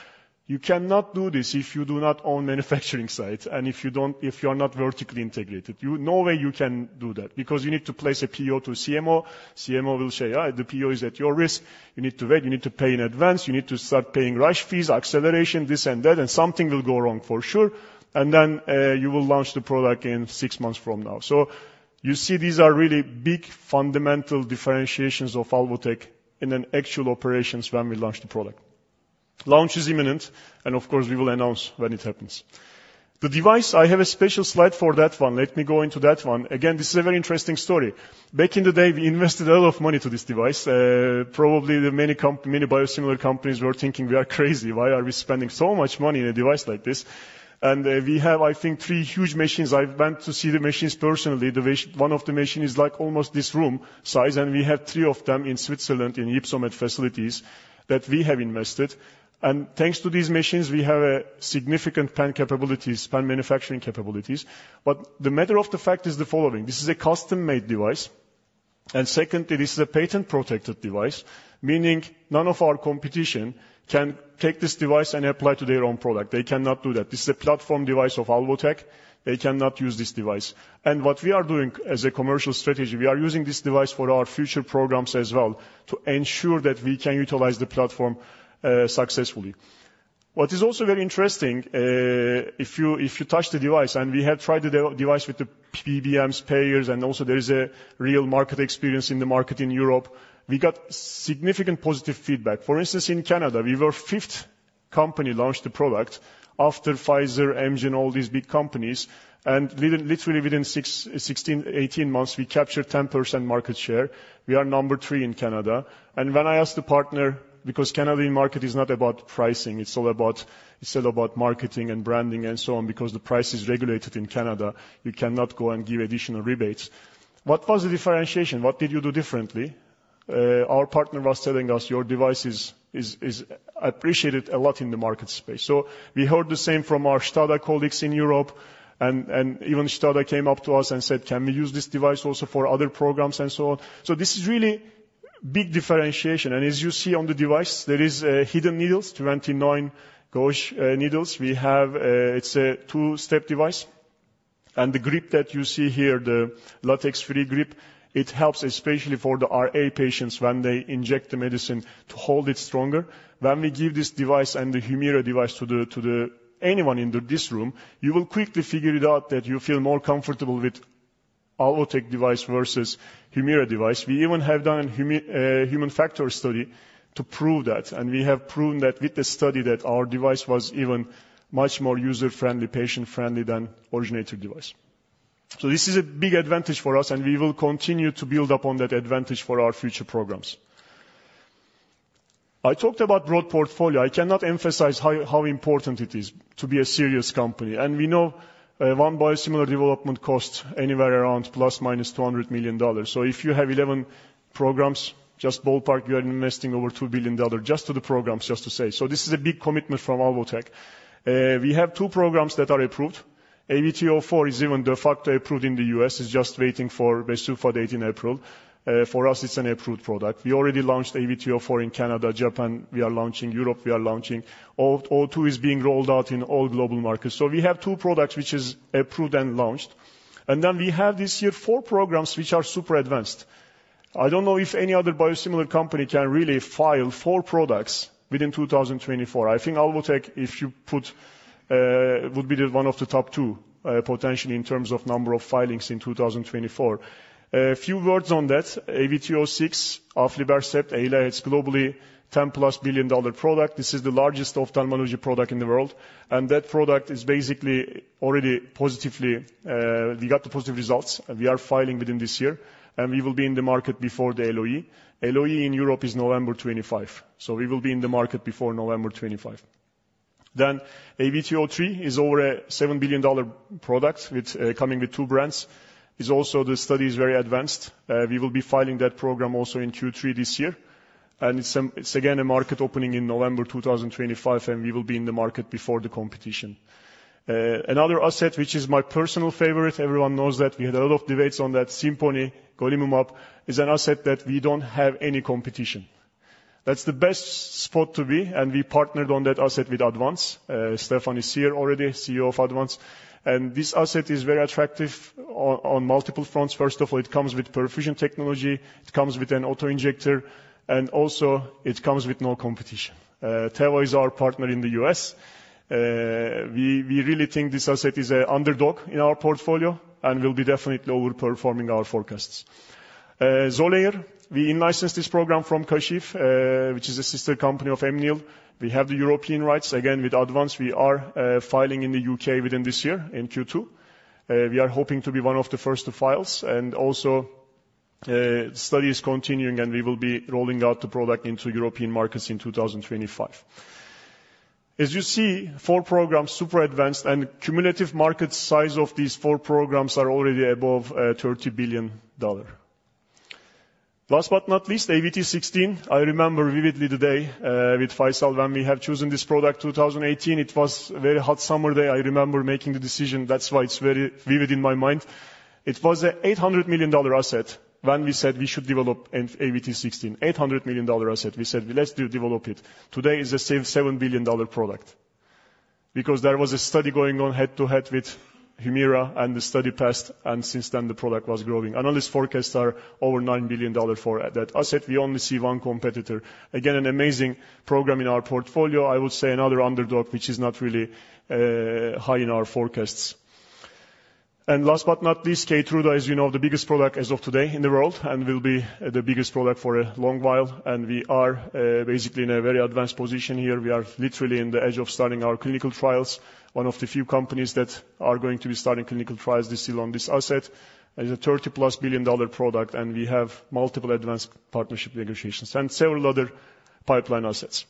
You cannot do this if you do not own manufacturing sites and if you don't if you are not vertically integrated. No way you can do that because you need to place a PO to CMO. CMO will say, the PO is at your risk. You need to wait. You need to pay in advance. You need to start paying rush fees, acceleration, this and that," and something will go wrong for sure, and then, you will launch the product in six months from now, so you see these are really big fundamental differentiations of Alvotech in actual operations when we launch the product. Launch is imminent, and of course, we will announce when it happens. The device, I have a special slide for that one. Let me go into that one. Again, this is a very interesting story. Back in the day, we invested a lot of money into this device. Probably the many competing biosimilar companies were thinking, "We are crazy. Why are we spending so much money on a device like this?" We have, I think, three huge machines. I went to see the machines personally. The one of the machines is like almost this room size, and we have three of them in Switzerland in Ypsomed facilities that we have invested, and thanks to these machines, we have significant plant capabilities, plant manufacturing capabilities, but the matter of the fact is the following. This is a custom-made device, and secondly, this is a patent-protected device, meaning none of our competition can take this device and apply it to their own product. They cannot do that. This is a platform device of Alvotech. They cannot use this device, and what we are doing as a commercial strategy, we are using this device for our future programs as well to ensure that we can utilize the platform successfully. What is also very interesting, if you touch the device, and we have tried the device with the PBMs, payers, and also there is a real market experience in the market in Europe, we got significant positive feedback. For instance, in Canada, we were fifth company to launch the product after Pfizer, engine, all these big companies, and literally within 6, 16, 18 months, we captured 10% market share. We are number 3 in Canada, and when I asked the partner, because Canadian market is not about pricing, it's all about marketing and branding and so on, because the price is regulated in Canada, you cannot go and give additional rebates, what was the differentiation? What did you do differently? Our partner was telling us, "Your device is appreciated a lot in the market space," so we heard the same from our STADA colleagues in Europe, and even STADA came up to us and said, "Can we use this device also for other programs and so on?" So this is really big differentiation, and as you see on the device, there is hidden needles, 29 gauge needles. We have, it's a two-step device, and the grip that you see here, the latex-free grip, it helps especially for the RA patients when they inject the medicine to hold it stronger. When we give this device and the Humira device to anyone in this room, you will quickly figure it out that you feel more comfortable with Alvotech device versus Humira device. We even have done a human factor study to prove that, and we have proven that with the study that our device was even much more user-friendly, patient-friendly than the originator device, so this is a big advantage for us, and we will continue to build upon that advantage for our future programs. I talked about broad portfolio. I cannot emphasize how, how important it is to be a serious company, and we know, one biosimilar development costs anywhere around ±$200 million, so if you have 11 programs, just ballpark, you are investing over $2 billion just to the programs, just to say, so this is a big commitment from Alvotech. We have two programs that are approved. AVT04 is even de facto approved in the U.S. It's just waiting for the PDUFA date in April. For us, it's an approved product. We already launched AVT04 in Canada, Japan. We are launching Europe. We are launching all. AVT02 is being rolled out in all global markets, so we have two products which are approved and launched, and then we have this year four programs which are super advanced. I don't know if any other biosimilar company can really file four products within 2024. I think Alvotech, if you put, would be one of the top two, potentially in terms of number of filings in 2024. A few words on that: AVT06, aflibercept, Eylea, globally $10+ billion product. This is the largest ophthalmology product in the world, and that product is basically already positively, we got the positive results. We are filing within this year, and we will be in the market before the LOE. LOE in Europe is November 25, so we will be in the market before November 25. Then AVT03 is over a $7 billion product, coming with two brands. Also, the study is very advanced. We will be filing that program also in Q3 this year, and it's again a market opening in November 2025, and we will be in the market before the competition. Another asset which is my personal favorite, everyone knows that. We had a lot of debates on that: Simponi, Golimumab, is an asset that we don't have any competition. That's the best spot to be, and we partnered on that asset with Advanz Pharma. Steffen is here already, CEO of Advanz Pharma, and this asset is very attractive on multiple fronts. First of all, it comes with perfusion technology. It comes with an autoinjector, and also it comes with no competition. Teva is our partner in the U.S. We really think this asset is an underdog in our portfolio and will be definitely overperforming our forecasts. Xolair, we in-license this program from Kashiv BioSciences, which is a sister company of Amneal Pharmaceuticals. We have the European rights. Again, with Advanz Pharma, we are filing in the U.K. within this year in Q2. We are hoping to be one of the first to file, and also, the study is continuing, and we will be rolling out the product into European markets in 2025. As you see, four programs, super advanced, and cumulative market size of these four programs are already above $30 billion. Last but not least, AVT16. I remember vividly the day, with Faisal when we have chosen this product. 2018, it was a very hot summer day. I remember making the decision. That's why it's very vivid in my mind. It was an $800 million asset when we said we should develop AVT16, $800 million asset. We said, "Let's develop it." Today is a $7 billion product because there was a study going on head-to-head with Humira, and the study passed, and since then, the product was growing. Analyst forecasts are over $9 billion for that asset. We only see one competitor. Again, an amazing program in our portfolio. I would say another underdog which is not really, high in our forecasts. And last but not least, Keytruda, as you know, the biggest product as of today in the world and will be the biggest product for a long while, and we are, basically in a very advanced position here. We are literally in the edge of starting our clinical trials, one of the few companies that are going to be starting clinical trials this year on this asset. It's a $30+ billion product, and we have multiple advanced partnership negotiations and several other pipeline assets.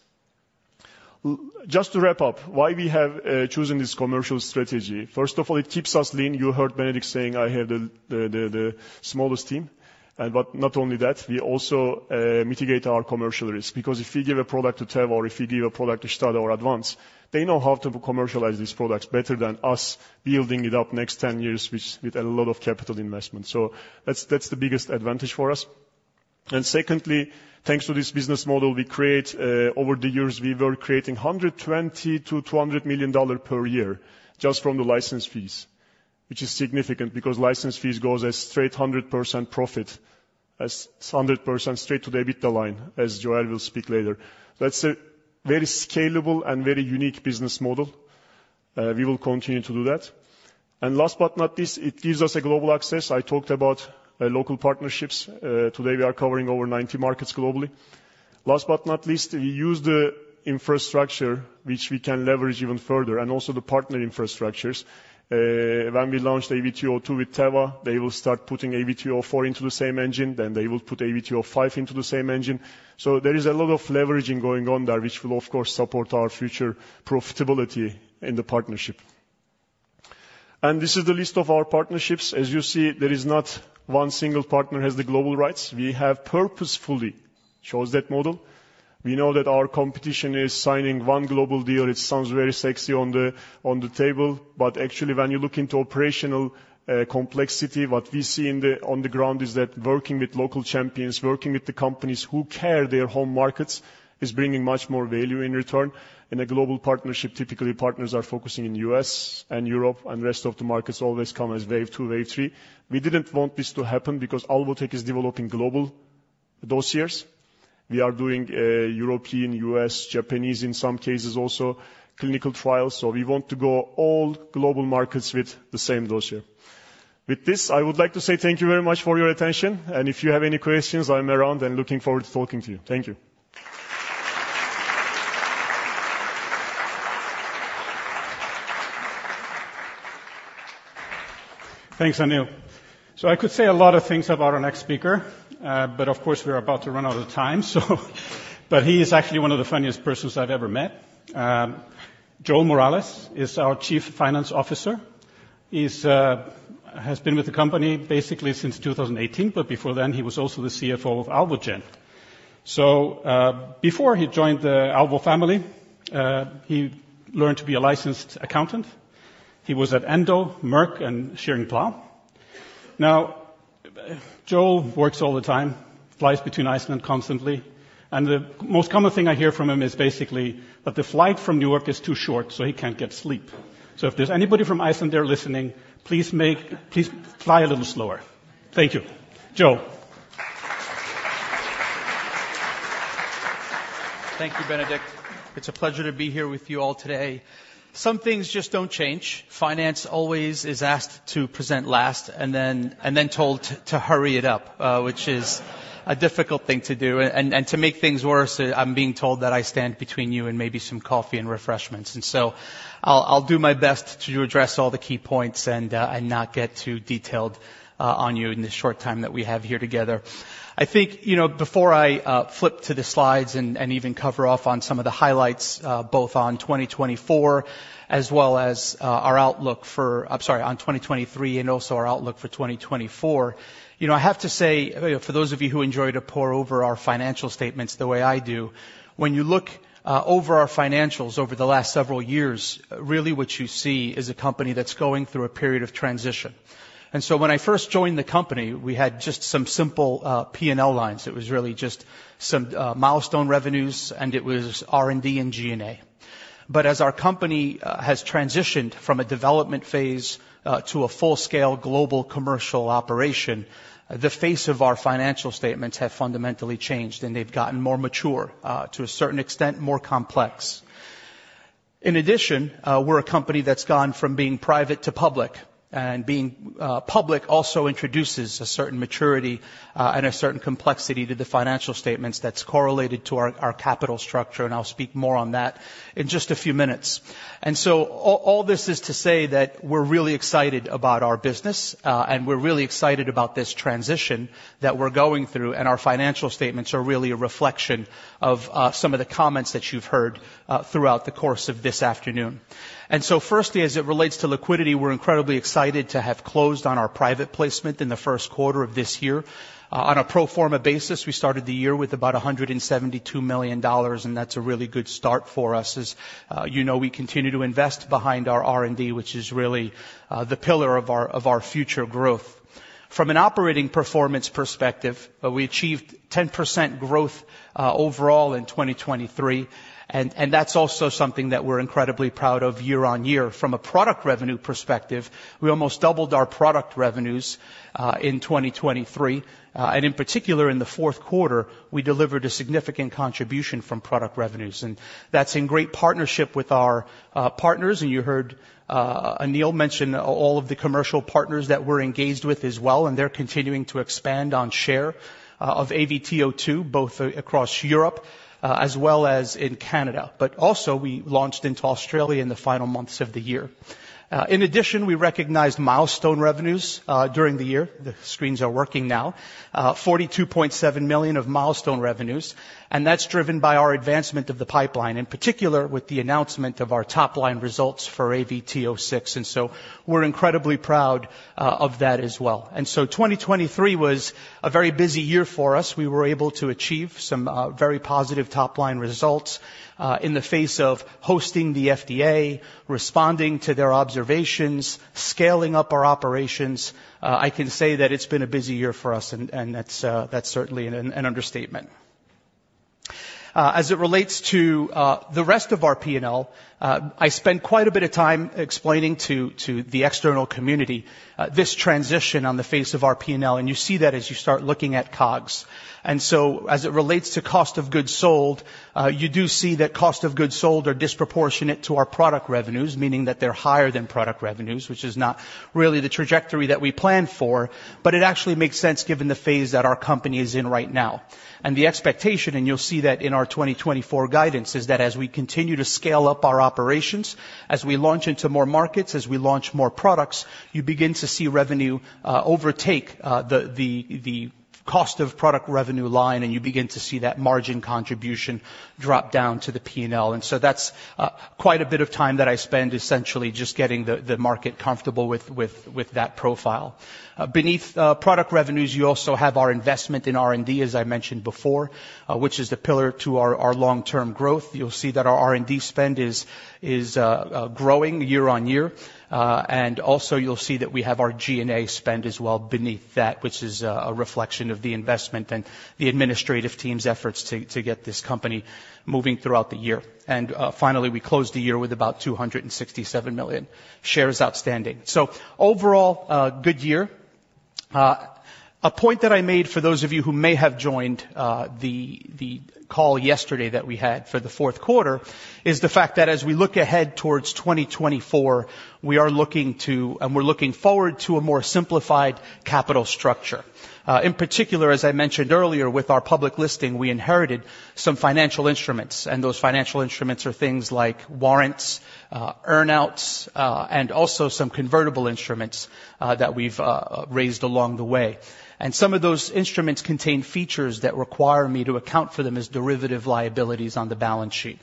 Just to wrap up, why we have chosen this commercial strategy? First of all, it keeps us lean. You heard Benedikt saying, "I have the smallest team," but not only that, we also mitigate our commercial risk because if we give a product to Teva or if we give a product to STADA or Advanz Pharma, they know how to commercialize these products better than us building it up next 10 years with a lot of capital investment, so that's the biggest advantage for us. And secondly, thanks to this business model, we create, over the years, we were creating $120 million-$200 million per year just from the license fees, which is significant because license fees go as straight 100% profit, as 100% straight to the EBITDA line, as Joel will speak later. That's a very scalable and very unique business model. We will continue to do that, and last but not least, it gives us global access. I talked about local partnerships. Today, we are covering over 90 markets globally. Last but not least, we use the infrastructure which we can leverage even further and also the partner infrastructures. When we launched AVT02 with Teva, they will start putting AVT04 into the same engine, then they will put AVT05 into the same engine, so there is a lot of leveraging going on there which will, of course, support our future profitability in the partnership. This is the list of our partnerships. As you see, there is not one single partner who has the global rights. We have purposefully chosen that model. We know that our competition is signing one global deal. It sounds very sexy on the, on the table, but actually, when you look into operational, complexity, what we see in the, on the ground is that working with local champions, working with the companies who care about their home markets is bringing much more value in return. In a global partnership, typically, partners are focusing on the U.S. and Europe, and the rest of the markets always come as wave two, wave three. We didn't want this to happen because Alvotech is developing globally those years. We are doing European, U.S., Japanese, in some cases also, clinical trials, so we want to go all global markets with the same dossier. With this, I would like to say thank you very much for your attention, and if you have any questions, I'm around and looking forward to talking to you. Thank you. Thanks, Anil. So I could say a lot of things about our next speaker, but of course, we are about to run out of time, so but he is actually one of the funniest persons I've ever met. Joel Morales is our Chief Financial Officer. He has been with the company basically since 2018, but before then, he was also the CFO of Alvogen. So, before he joined the Alvogen family, he learned to be a licensed accountant. He was at Endo, Merck, and Schering-Plough. Now, Joel works all the time, flies between Iceland constantly, and the most common thing I hear from him is basically that the flight from New York is too short, so he can't get sleep. So if there's anybody from Iceland there listening, please fly a little slower. Thank you. Joel. Thank you, Benedikt. It's a pleasure to be here with you all today. Some things just don't change. Finance always is asked to present last and then told to hurry it up, which is a difficult thing to do, and to make things worse, I'm being told that I stand between you and maybe some coffee and refreshments, and so I'll do my best to address all the key points and not get too detailed on you in this short time that we have here together. I think, you know, before I flip to the slides and even cover off on some of the highlights, both on 2024 as well as our outlook for, I'm sorry, on 2023 and also our outlook for 2024, you know, I have to say, you know, for those of you who enjoy to pore over our financial statements the way I do, when you look over our financials over the last several years, really what you see is a company that's going through a period of transition, and so when I first joined the company, we had just some simple P&L lines. It was really just some milestone revenues, and it was R&D and G&A, but as our company has transitioned from a development phase to a full-scale global commercial operation, the face of our financial statements have fundamentally changed, and they've gotten more mature, to a certain extent, more complex. In addition, we're a company that's gone from being private to public, and being public also introduces a certain maturity, and a certain complexity to the financial statements that's correlated to our our capital structure, and I'll speak more on that in just a few minutes. And so all all this is to say that we're really excited about our business, and we're really excited about this transition that we're going through, and our financial statements are really a reflection of some of the comments that you've heard throughout the course of this afternoon. And so firstly, as it relates to liquidity, we're incredibly excited to have closed on our private placement in the first quarter of this year. On a pro forma basis, we started the year with about $172 million, and that's a really good start for us as, you know, we continue to invest behind our R&D, which is really the pillar of our future growth. From an operating performance perspective, we achieved 10% growth overall in 2023, and that's also something that we're incredibly proud of year-on-year. From a product revenue perspective, we almost doubled our product revenues in 2023, and in particular, in the fourth quarter, we delivered a significant contribution from product revenues, and that's in great partnership with our partners, and you heard Anil mention all of the commercial partners that we're engaged with as well, and they're continuing to expand on share of AVT02 both across Europe, as well as in Canada, but also we launched into Australia in the final months of the year. In addition, we recognized milestone revenues during the year. The screens are working now, $42.7 million of milestone revenues, and that's driven by our advancement of the pipeline, in particular with the announcement of our top-line results for AVT06, and so we're incredibly proud of that as well. And so 2023 was a very busy year for us. We were able to achieve some very positive top-line results in the face of hosting the FDA, responding to their observations, scaling up our operations. I can say that it's been a busy year for us, and that's certainly an understatement. As it relates to the rest of our P&L, I spent quite a bit of time explaining to the external community this transition on the face of our P&L, and you see that as you start looking at COGS. And so as it relates to cost of goods sold, you do see that cost of goods sold are disproportionate to our product revenues, meaning that they're higher than product revenues, which is not really the trajectory that we planned for, but it actually makes sense given the phase that our company is in right now. The expectation, and you'll see that in our 2024 guidance, is that as we continue to scale up our operations, as we launch into more markets, as we launch more products, you begin to see revenue overtake the cost of product revenue line, and you begin to see that margin contribution drop down to the P&L, and so that's quite a bit of time that I spend essentially just getting the market comfortable with that profile. Beneath product revenues, you also have our investment in R&D, as I mentioned before, which is the pillar to our long-term growth. You'll see that our R&D spend is growing year-over-year, and also you'll see that we have our G&A spend as well beneath that, which is a reflection of the investment and the administrative team's efforts to get this company moving throughout the year. And, finally, we closed the year with about 267 million shares outstanding. So overall, good year. A point that I made for those of you who may have joined the call yesterday that we had for the fourth quarter is the fact that as we look ahead towards 2024, we are looking to, and we're looking forward to a more simplified capital structure. In particular, as I mentioned earlier, with our public listing, we inherited some financial instruments, and those financial instruments are things like warrants, earnouts, and also some convertible instruments that we've raised along the way, and some of those instruments contain features that require me to account for them as derivative liabilities on the balance sheet.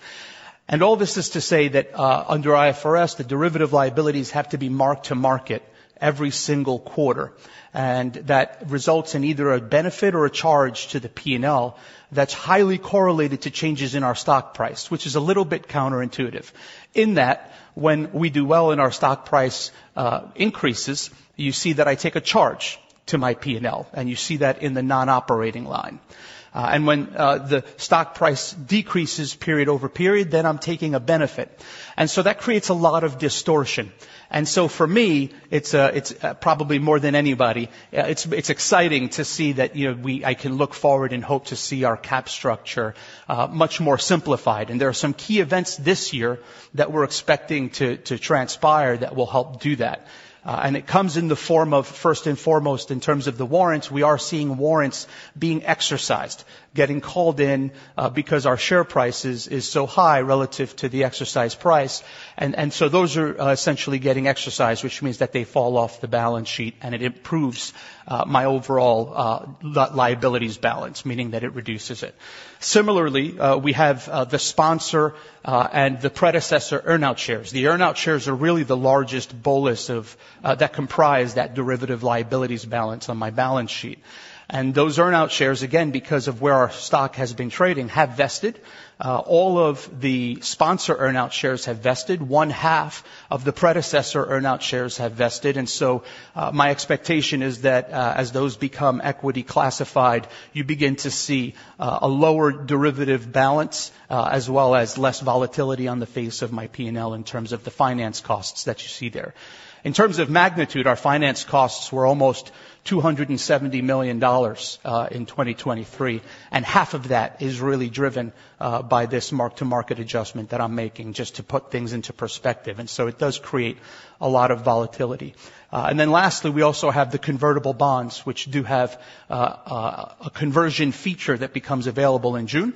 And all this is to say that, under IFRS, the derivative liabilities have to be marked to market every single quarter, and that results in either a benefit or a charge to the P&L that's highly correlated to changes in our stock price, which is a little bit counterintuitive. In that, when we do well in our stock price increases, you see that I take a charge to my P&L, and you see that in the non-operating line. And when the stock price decreases period over period, then I'm taking a benefit, and so that creates a lot of distortion. And so for me, it's probably more than anybody, it's exciting to see that, you know, I can look forward and hope to see our cap structure much more simplified. And there are some key events this year that we're expecting to transpire that will help do that, and it comes in the form of, first and foremost, in terms of the warrants. We are seeing warrants being exercised, getting called in, because our share price is so high relative to the exercise price, and so those are essentially getting exercised, which means that they fall off the balance sheet, and it improves my overall liabilities balance, meaning that it reduces it. Similarly, we have the sponsor and the predecessor earnout shares. The earnout shares are really the largest bolus of that comprise that derivative liabilities balance on my balance sheet, and those earnout shares, again, because of where our stock has been trading, have vested. All of the sponsor earnout shares have vested. One half of the predecessor earnout shares have vested, and so my expectation is that as those become equity classified, you begin to see a lower derivative balance, as well as less volatility on the face of my P&L in terms of the finance costs that you see there. In terms of magnitude, our finance costs were almost $270 million in 2023, and half of that is really driven by this mark-to-market adjustment that I'm making just to put things into perspective, and so it does create a lot of volatility. Then lastly, we also have the convertible bonds, which do have a conversion feature that becomes available in June,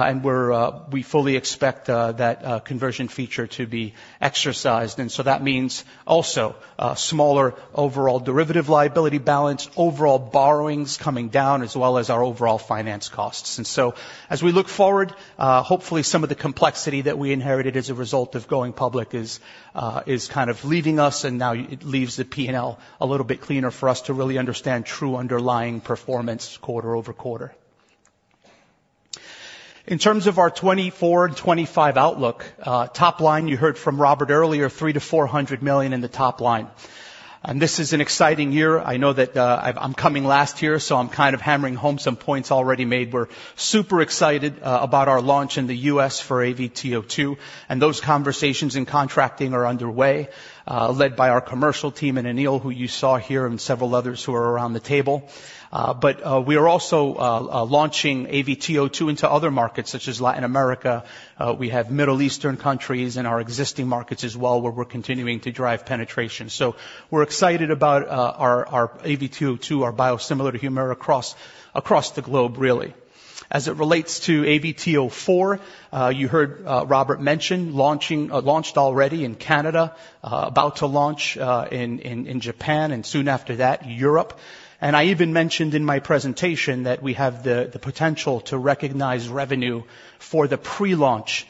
and we're—we fully expect that conversion feature to be exercised, and so that means also smaller overall derivative liability balance, overall borrowings coming down, as well as our overall finance costs, and so as we look forward, hopefully some of the complexity that we inherited as a result of going public is kind of leaving us, and now it leaves the P&L a little bit cleaner for us to really understand true underlying performance quarter-over-quarter. In terms of our 2024 and 2025 outlook, top line, you heard from Róbert earlier, $300 million-$400 million in the top line, and this is an exciting year. I know that, I'm, I'm coming last year, so I'm kind of hammering home some points already made. We're super excited about our launch in the U.S. for AVT02, and those conversations in contracting are underway, led by our commercial team and Anil, who you saw here, and several others who are around the table, but we are also launching AVT02 into other markets such as Latin America. We have Middle Eastern countries in our existing markets as well where we're continuing to drive penetration, so we're excited about our AVT02, our biosimilar to Humira across the globe, really. As it relates to AVT04, you heard Róbert mention launching, launched already in Canada, about to launch in Japan, and soon after that, Europe, and I even mentioned in my presentation that we have the potential to recognize revenue for the pre-launch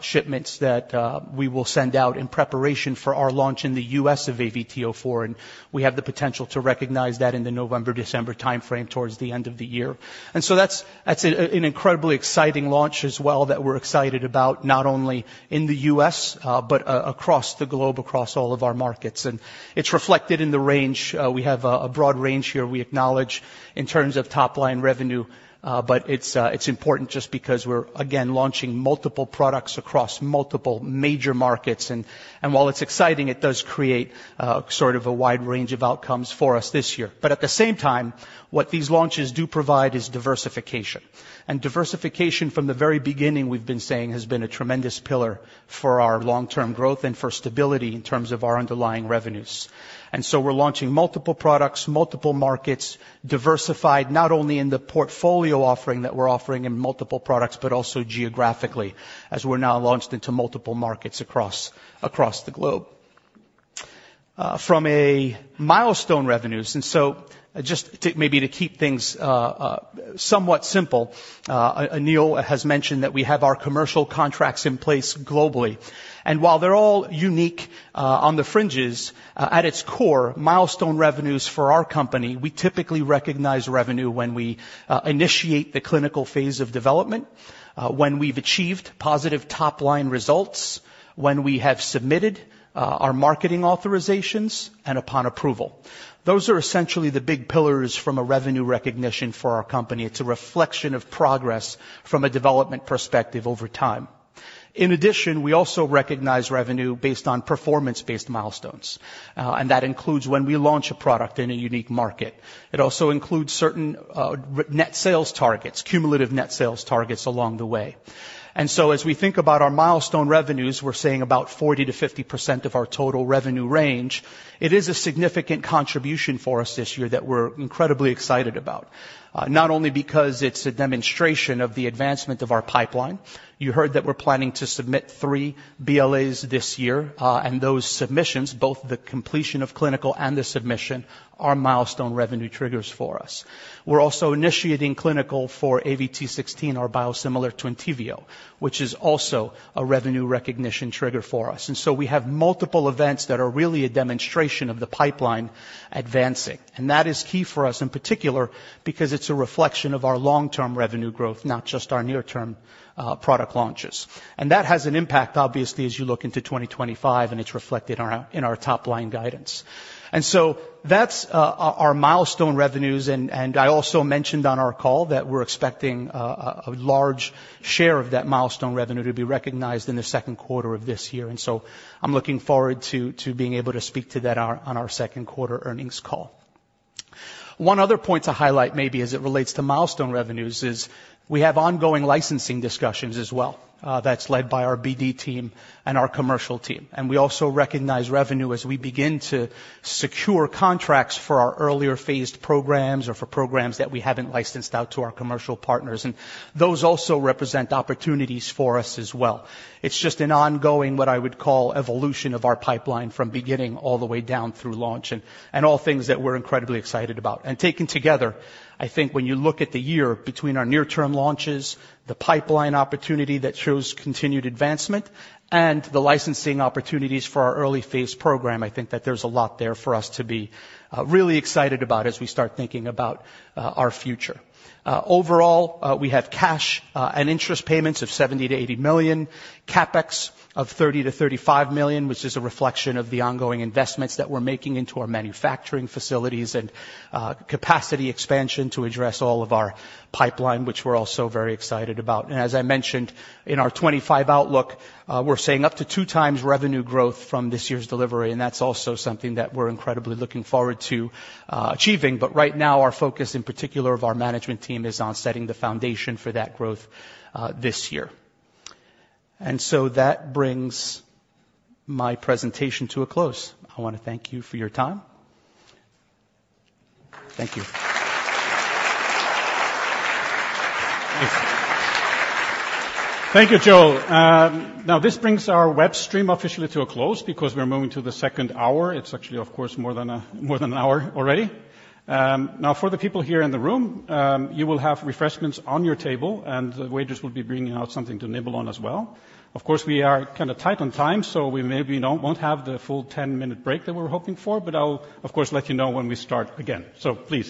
shipments that we will send out in preparation for our launch in the U.S. of AVT04, and we have the potential to recognize that in the November-December time frame towards the end of the year, and so that's an incredibly exciting launch as well that we're excited about not only in the U.S., but across the globe, across all of our markets, and it's reflected in the range we have, a broad range here. We acknowledge in terms of top-line revenue, but it's important just because we're again launching multiple products across multiple major markets, and while it's exciting, it does create sort of a wide range of outcomes for us this year, but at the same time, what these launches do provide is diversification, and diversification from the very beginning, we've been saying, has been a tremendous pillar for our long-term growth and for stability in terms of our underlying revenues, and so we're launching multiple products, multiple markets, diversified not only in the portfolio offering that we're offering in multiple products but also geographically as we're now launched into multiple markets across the globe. From a milestone revenues, and so just to maybe to keep things somewhat simple, Anil has mentioned that we have our commercial contracts in place globally, and while they're all unique, on the fringes, at its core, milestone revenues for our company, we typically recognize revenue when we initiate the clinical phase of development, when we've achieved positive top-line results, when we have submitted our marketing authorizations, and upon approval. Those are essentially the big pillars from a revenue recognition for our company. It's a reflection of progress from a development perspective over time. In addition, we also recognize revenue based on performance-based milestones, and that includes when we launch a product in a unique market. It also includes certain net sales targets, cumulative net sales targets along the way, and so as we think about our milestone revenues, we're saying about 40%-50% of our total revenue range. It is a significant contribution for us this year that we're incredibly excited about, not only because it's a demonstration of the advancement of our pipeline. You heard that we're planning to submit three BLAs this year, and those submissions, both the completion of clinical and the submission, are milestone revenue triggers for us. We're also initiating clinical for AVT16, our biosimilar to Entyvio, which is also a revenue recognition trigger for us, and so we have multiple events that are really a demonstration of the pipeline advancing, and that is key for us in particular because it's a reflection of our long-term revenue growth, not just our near-term product launches, and that has an impact, obviously, as you look into 2025, and it's reflected in our top-line guidance, and so that's our milestone revenues, and I also mentioned on our call that we're expecting a large share of that milestone revenue to be recognized in the second quarter of this year, and so I'm looking forward to being able to speak to that on our second quarter earnings call. One other point to highlight maybe as it relates to milestone revenues is we have ongoing licensing discussions as well, that's led by our BD team and our commercial team, and we also recognize revenue as we begin to secure contracts for our earlier phased programs or for programs that we haven't licensed out to our commercial partners, and those also represent opportunities for us as well. It's just an ongoing, what I would call, evolution of our pipeline from beginning all the way down through launch and all things that we're incredibly excited about, and taken together, I think when you look at the year between our near-term launches, the pipeline opportunity that shows continued advancement, and the licensing opportunities for our early phase program, I think that there's a lot there for us to be really excited about as we start thinking about our future. Overall, we have cash and interest payments of $70 million-$80 million, CapEx of $30 million-$35 million, which is a reflection of the ongoing investments that we're making into our manufacturing facilities and capacity expansion to address all of our pipeline, which we're also very excited about, and as I mentioned in our 2025 outlook, we're saying up to 2x revenue growth from this year's delivery, and that's also something that we're incredibly looking forward to achieving, but right now our focus in particular of our management team is on setting the foundation for that growth this year, and so that brings my presentation to a close. I want to thank you for your time. Thank you. Thank you, Joel. Now this brings our web stream officially to a close because we're moving to the second hour. It's actually, of course, more than a, more than an hour already. Now for the people here in the room, you will have refreshments on your table, and the waiters will be bringing out something to nibble on as well. Of course, we are kind of tight on time, so we maybe don't, won't have the full 10-minute break that we were hoping for, but I'll, of course, let you know when we start again, so please.